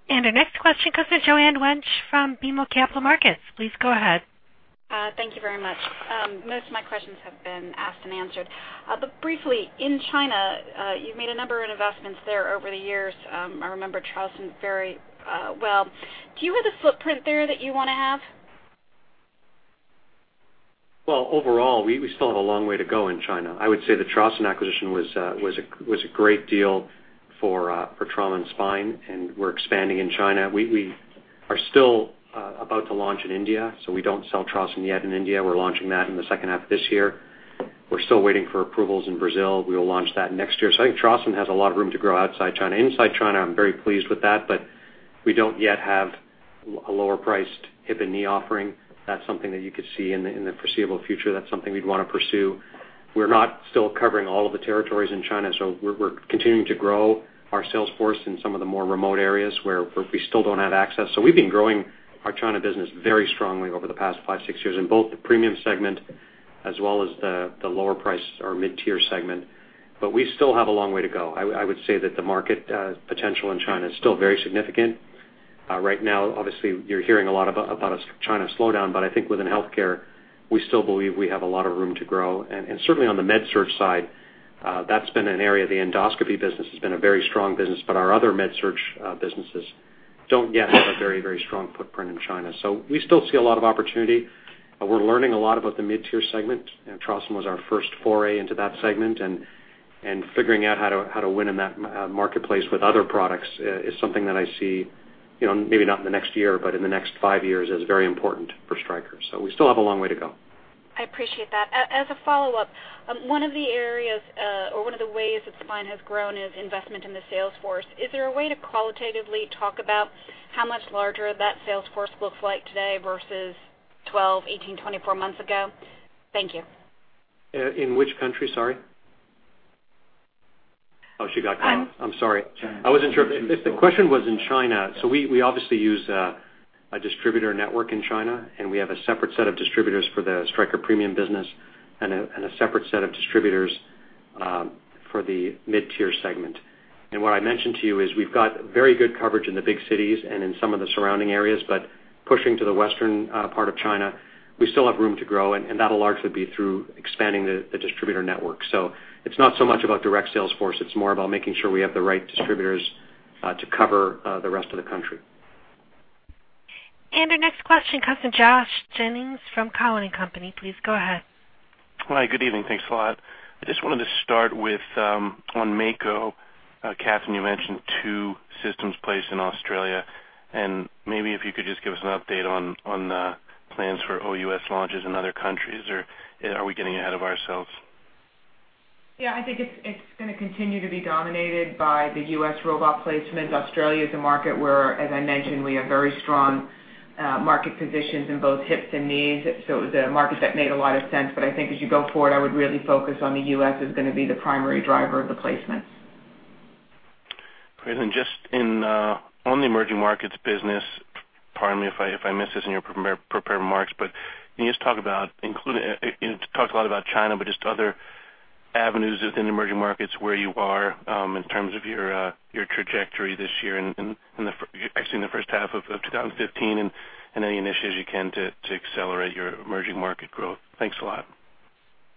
Our next question comes from Joanne Wuensch from BMO Capital Markets. Please go ahead. Thank you very much. Most of my questions have been asked and answered. Briefly, in China, you've made a number of investments there over the years. I remember Trauson very well. Do you have the footprint there that you want to have? Well, overall, we still have a long way to go in China. I would say the Trauson acquisition was a great deal for Trauma and Spine, and we're expanding in China. We are still about to launch in India, so we don't sell Trauson yet in India. We're launching that in the second half of this year. We're still waiting for approvals in Brazil. We'll launch that next year. I think Trauson has a lot of room to grow outside China. Inside China, I'm very pleased with that, but we don't yet have a lower-priced hip and knee offering. That's something that you could see in the foreseeable future. That's something we'd want to pursue. We're not still covering all of the territories in China, so we're continuing to grow our sales force in some of the more remote areas where we still don't have access. We've been growing our China business very strongly over the past five, six years in both the premium segment as well as the lower price or mid-tier segment. We still have a long way to go. I would say that the market potential in China is still very significant. Right now, obviously, you're hearing a lot about a China slowdown. I think within healthcare, we still believe we have a lot of room to grow. Certainly on the med surg side, that's been an area. The endoscopy business has been a very strong business, but our other med surg businesses don't yet have a very strong footprint in China. We still see a lot of opportunity. We're learning a lot about the mid-tier segment. Trauson was our first foray into that segment. Figuring out how to win in that marketplace with other products is something that I see, maybe not in the next year, but in the next five years as very important for Stryker. We still have a long way to go. I appreciate that. As a follow-up, one of the areas or one of the ways that Spine has grown is investment in the sales force. Is there a way to qualitatively talk about how much larger that sales force looks like today versus 12, 18, 24 months ago? Thank you. In which country, sorry? Oh, Chicago. I'm sorry. I wasn't sure. The question was in China. We obviously use a distributor network in China. We have a separate set of distributors for the Stryker premium business and a separate set of distributors for the mid-tier segment. What I mentioned to you is we've got very good coverage in the big cities and in some of the surrounding areas. Pushing to the western part of China, we still have room to grow, and that'll largely be through expanding the distributor network. It's not so much about direct sales force, it's more about making sure we have the right distributors to cover the rest of the country. Our next question comes from Josh Jennings from Cowen and Company. Please go ahead. Hi, good evening. Thanks a lot. I just wanted to start with, on Mako. Katherine, you mentioned two systems placed in Australia. Maybe if you could just give us an update on the plans for O-U.S. launches in other countries, or are we getting ahead of ourselves? Yeah, I think it's going to continue to be dominated by the U.S. robot placement. Australia is a market where, as I mentioned, we have very strong market positions in both hips and knees. It was a market that made a lot of sense. I think as you go forward, I would really focus on the U.S. is going to be the primary driver of the placements. Great. Just on the emerging markets business, pardon me if I miss this in your prepared remarks, can you just talk about, you talked a lot about China, but just other avenues within emerging markets where you are in terms of your trajectory this year and actually in the first half of 2015 and any initiatives you can to accelerate your emerging market growth? Thanks a lot.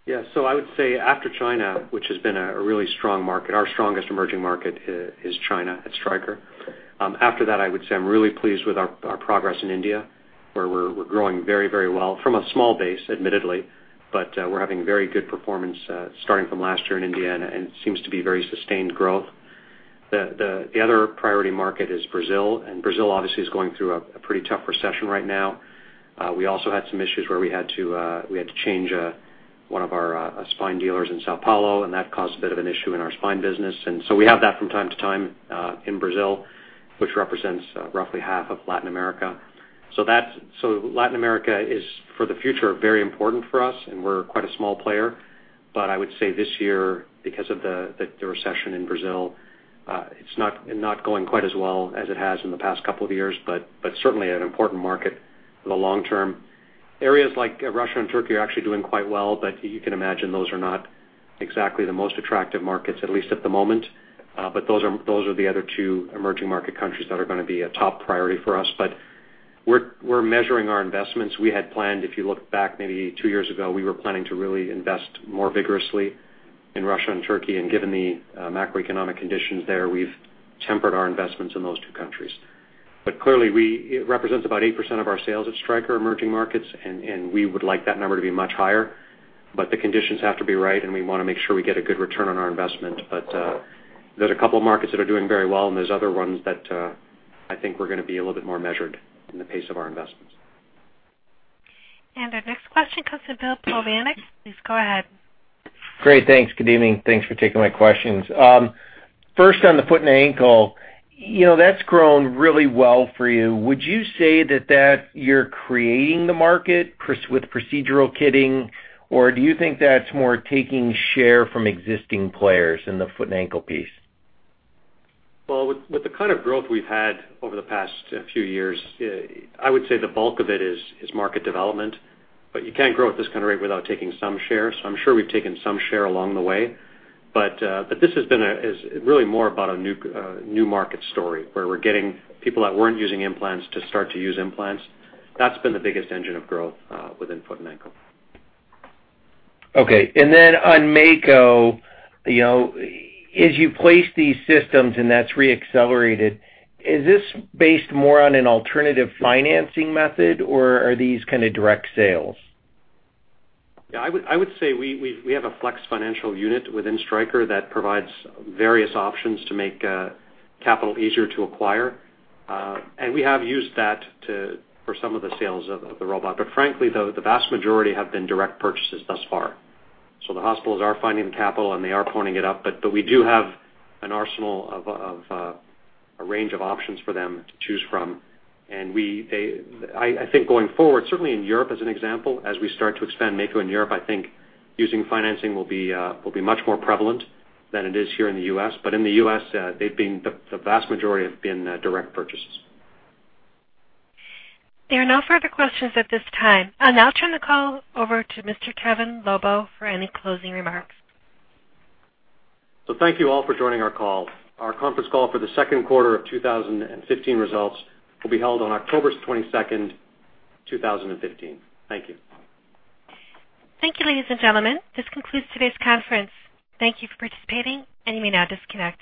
Yes. I would say after China, which has been a really strong market, our strongest emerging market is China at Stryker. After that, I would say I'm really pleased with our progress in India, where we're growing very well from a small base, admittedly, but we're having very good performance starting from last year in India, and it seems to be very sustained growth. The other priority market is Brazil, and Brazil obviously is going through a pretty tough recession right now. We also had some issues where we had to change one of our spine dealers in São Paulo, and that caused a bit of an issue in our spine business. We have that from time to time in Brazil, which represents roughly half of Latin America. Latin America is, for the future, very important for us, and we're quite a small player. I would say this year, because of the recession in Brazil, it's not going quite as well as it has in the past couple of years. Certainly an important market for the long term. Areas like Russia and Turkey are actually doing quite well. You can imagine those are not exactly the most attractive markets, at least at the moment. Those are the other two emerging market countries that are going to be a top priority for us. We're measuring our investments. We had planned, if you look back maybe 2 years ago, we were planning to really invest more vigorously in Russia and Turkey. Given the macroeconomic conditions there, we've tempered our investments in those two countries. Clearly, it represents about 8% of our sales at Stryker, emerging markets, and we would like that number to be much higher. The conditions have to be right, and we want to make sure we get a good return on our investment. There's a couple markets that are doing very well, and there's other ones that I think we're going to be a little bit more measured in the pace of our investments. Our next question comes from Bill Plovanic. Please go ahead. Great. Thanks. Good evening. Thanks for taking my questions. First, on the foot and ankle, that's grown really well for you. Would you say that you're creating the market with procedural kitting, or do you think that's more taking share from existing players in the foot and ankle piece? Well, with the kind of growth we've had over the past few years, I would say the bulk of it is market development, but you can't grow at this kind of rate without taking some share. I'm sure we've taken some share along the way. This has been really more about a new market story, where we're getting people that weren't using implants to start to use implants. That's been the biggest engine of growth within foot and ankle. Okay. On Mako, as you place these systems and that's re-accelerated, is this based more on an alternative financing method, or are these kind of direct sales? Yeah. I would say we have a flex financial unit within Stryker that provides various options to make capital easier to acquire. We have used that for some of the sales of the robot. Frankly, though, the vast majority have been direct purchases thus far. The hospitals are finding the capital, and they are pointing it up. We do have an arsenal of a range of options for them to choose from. I think going forward, certainly in Europe as an example, as we start to expand Mako in Europe, I think using financing will be much more prevalent than it is here in the U.S. In the U.S., the vast majority have been direct purchases. There are no further questions at this time. I'll now turn the call over to Mr. Kevin Lobo for any closing remarks. Thank you all for joining our call. Our conference call for the second quarter of 2015 results will be held on October 22nd, 2015. Thank you. Thank you, ladies and gentlemen. This concludes today's conference. Thank you for participating, and you may now disconnect.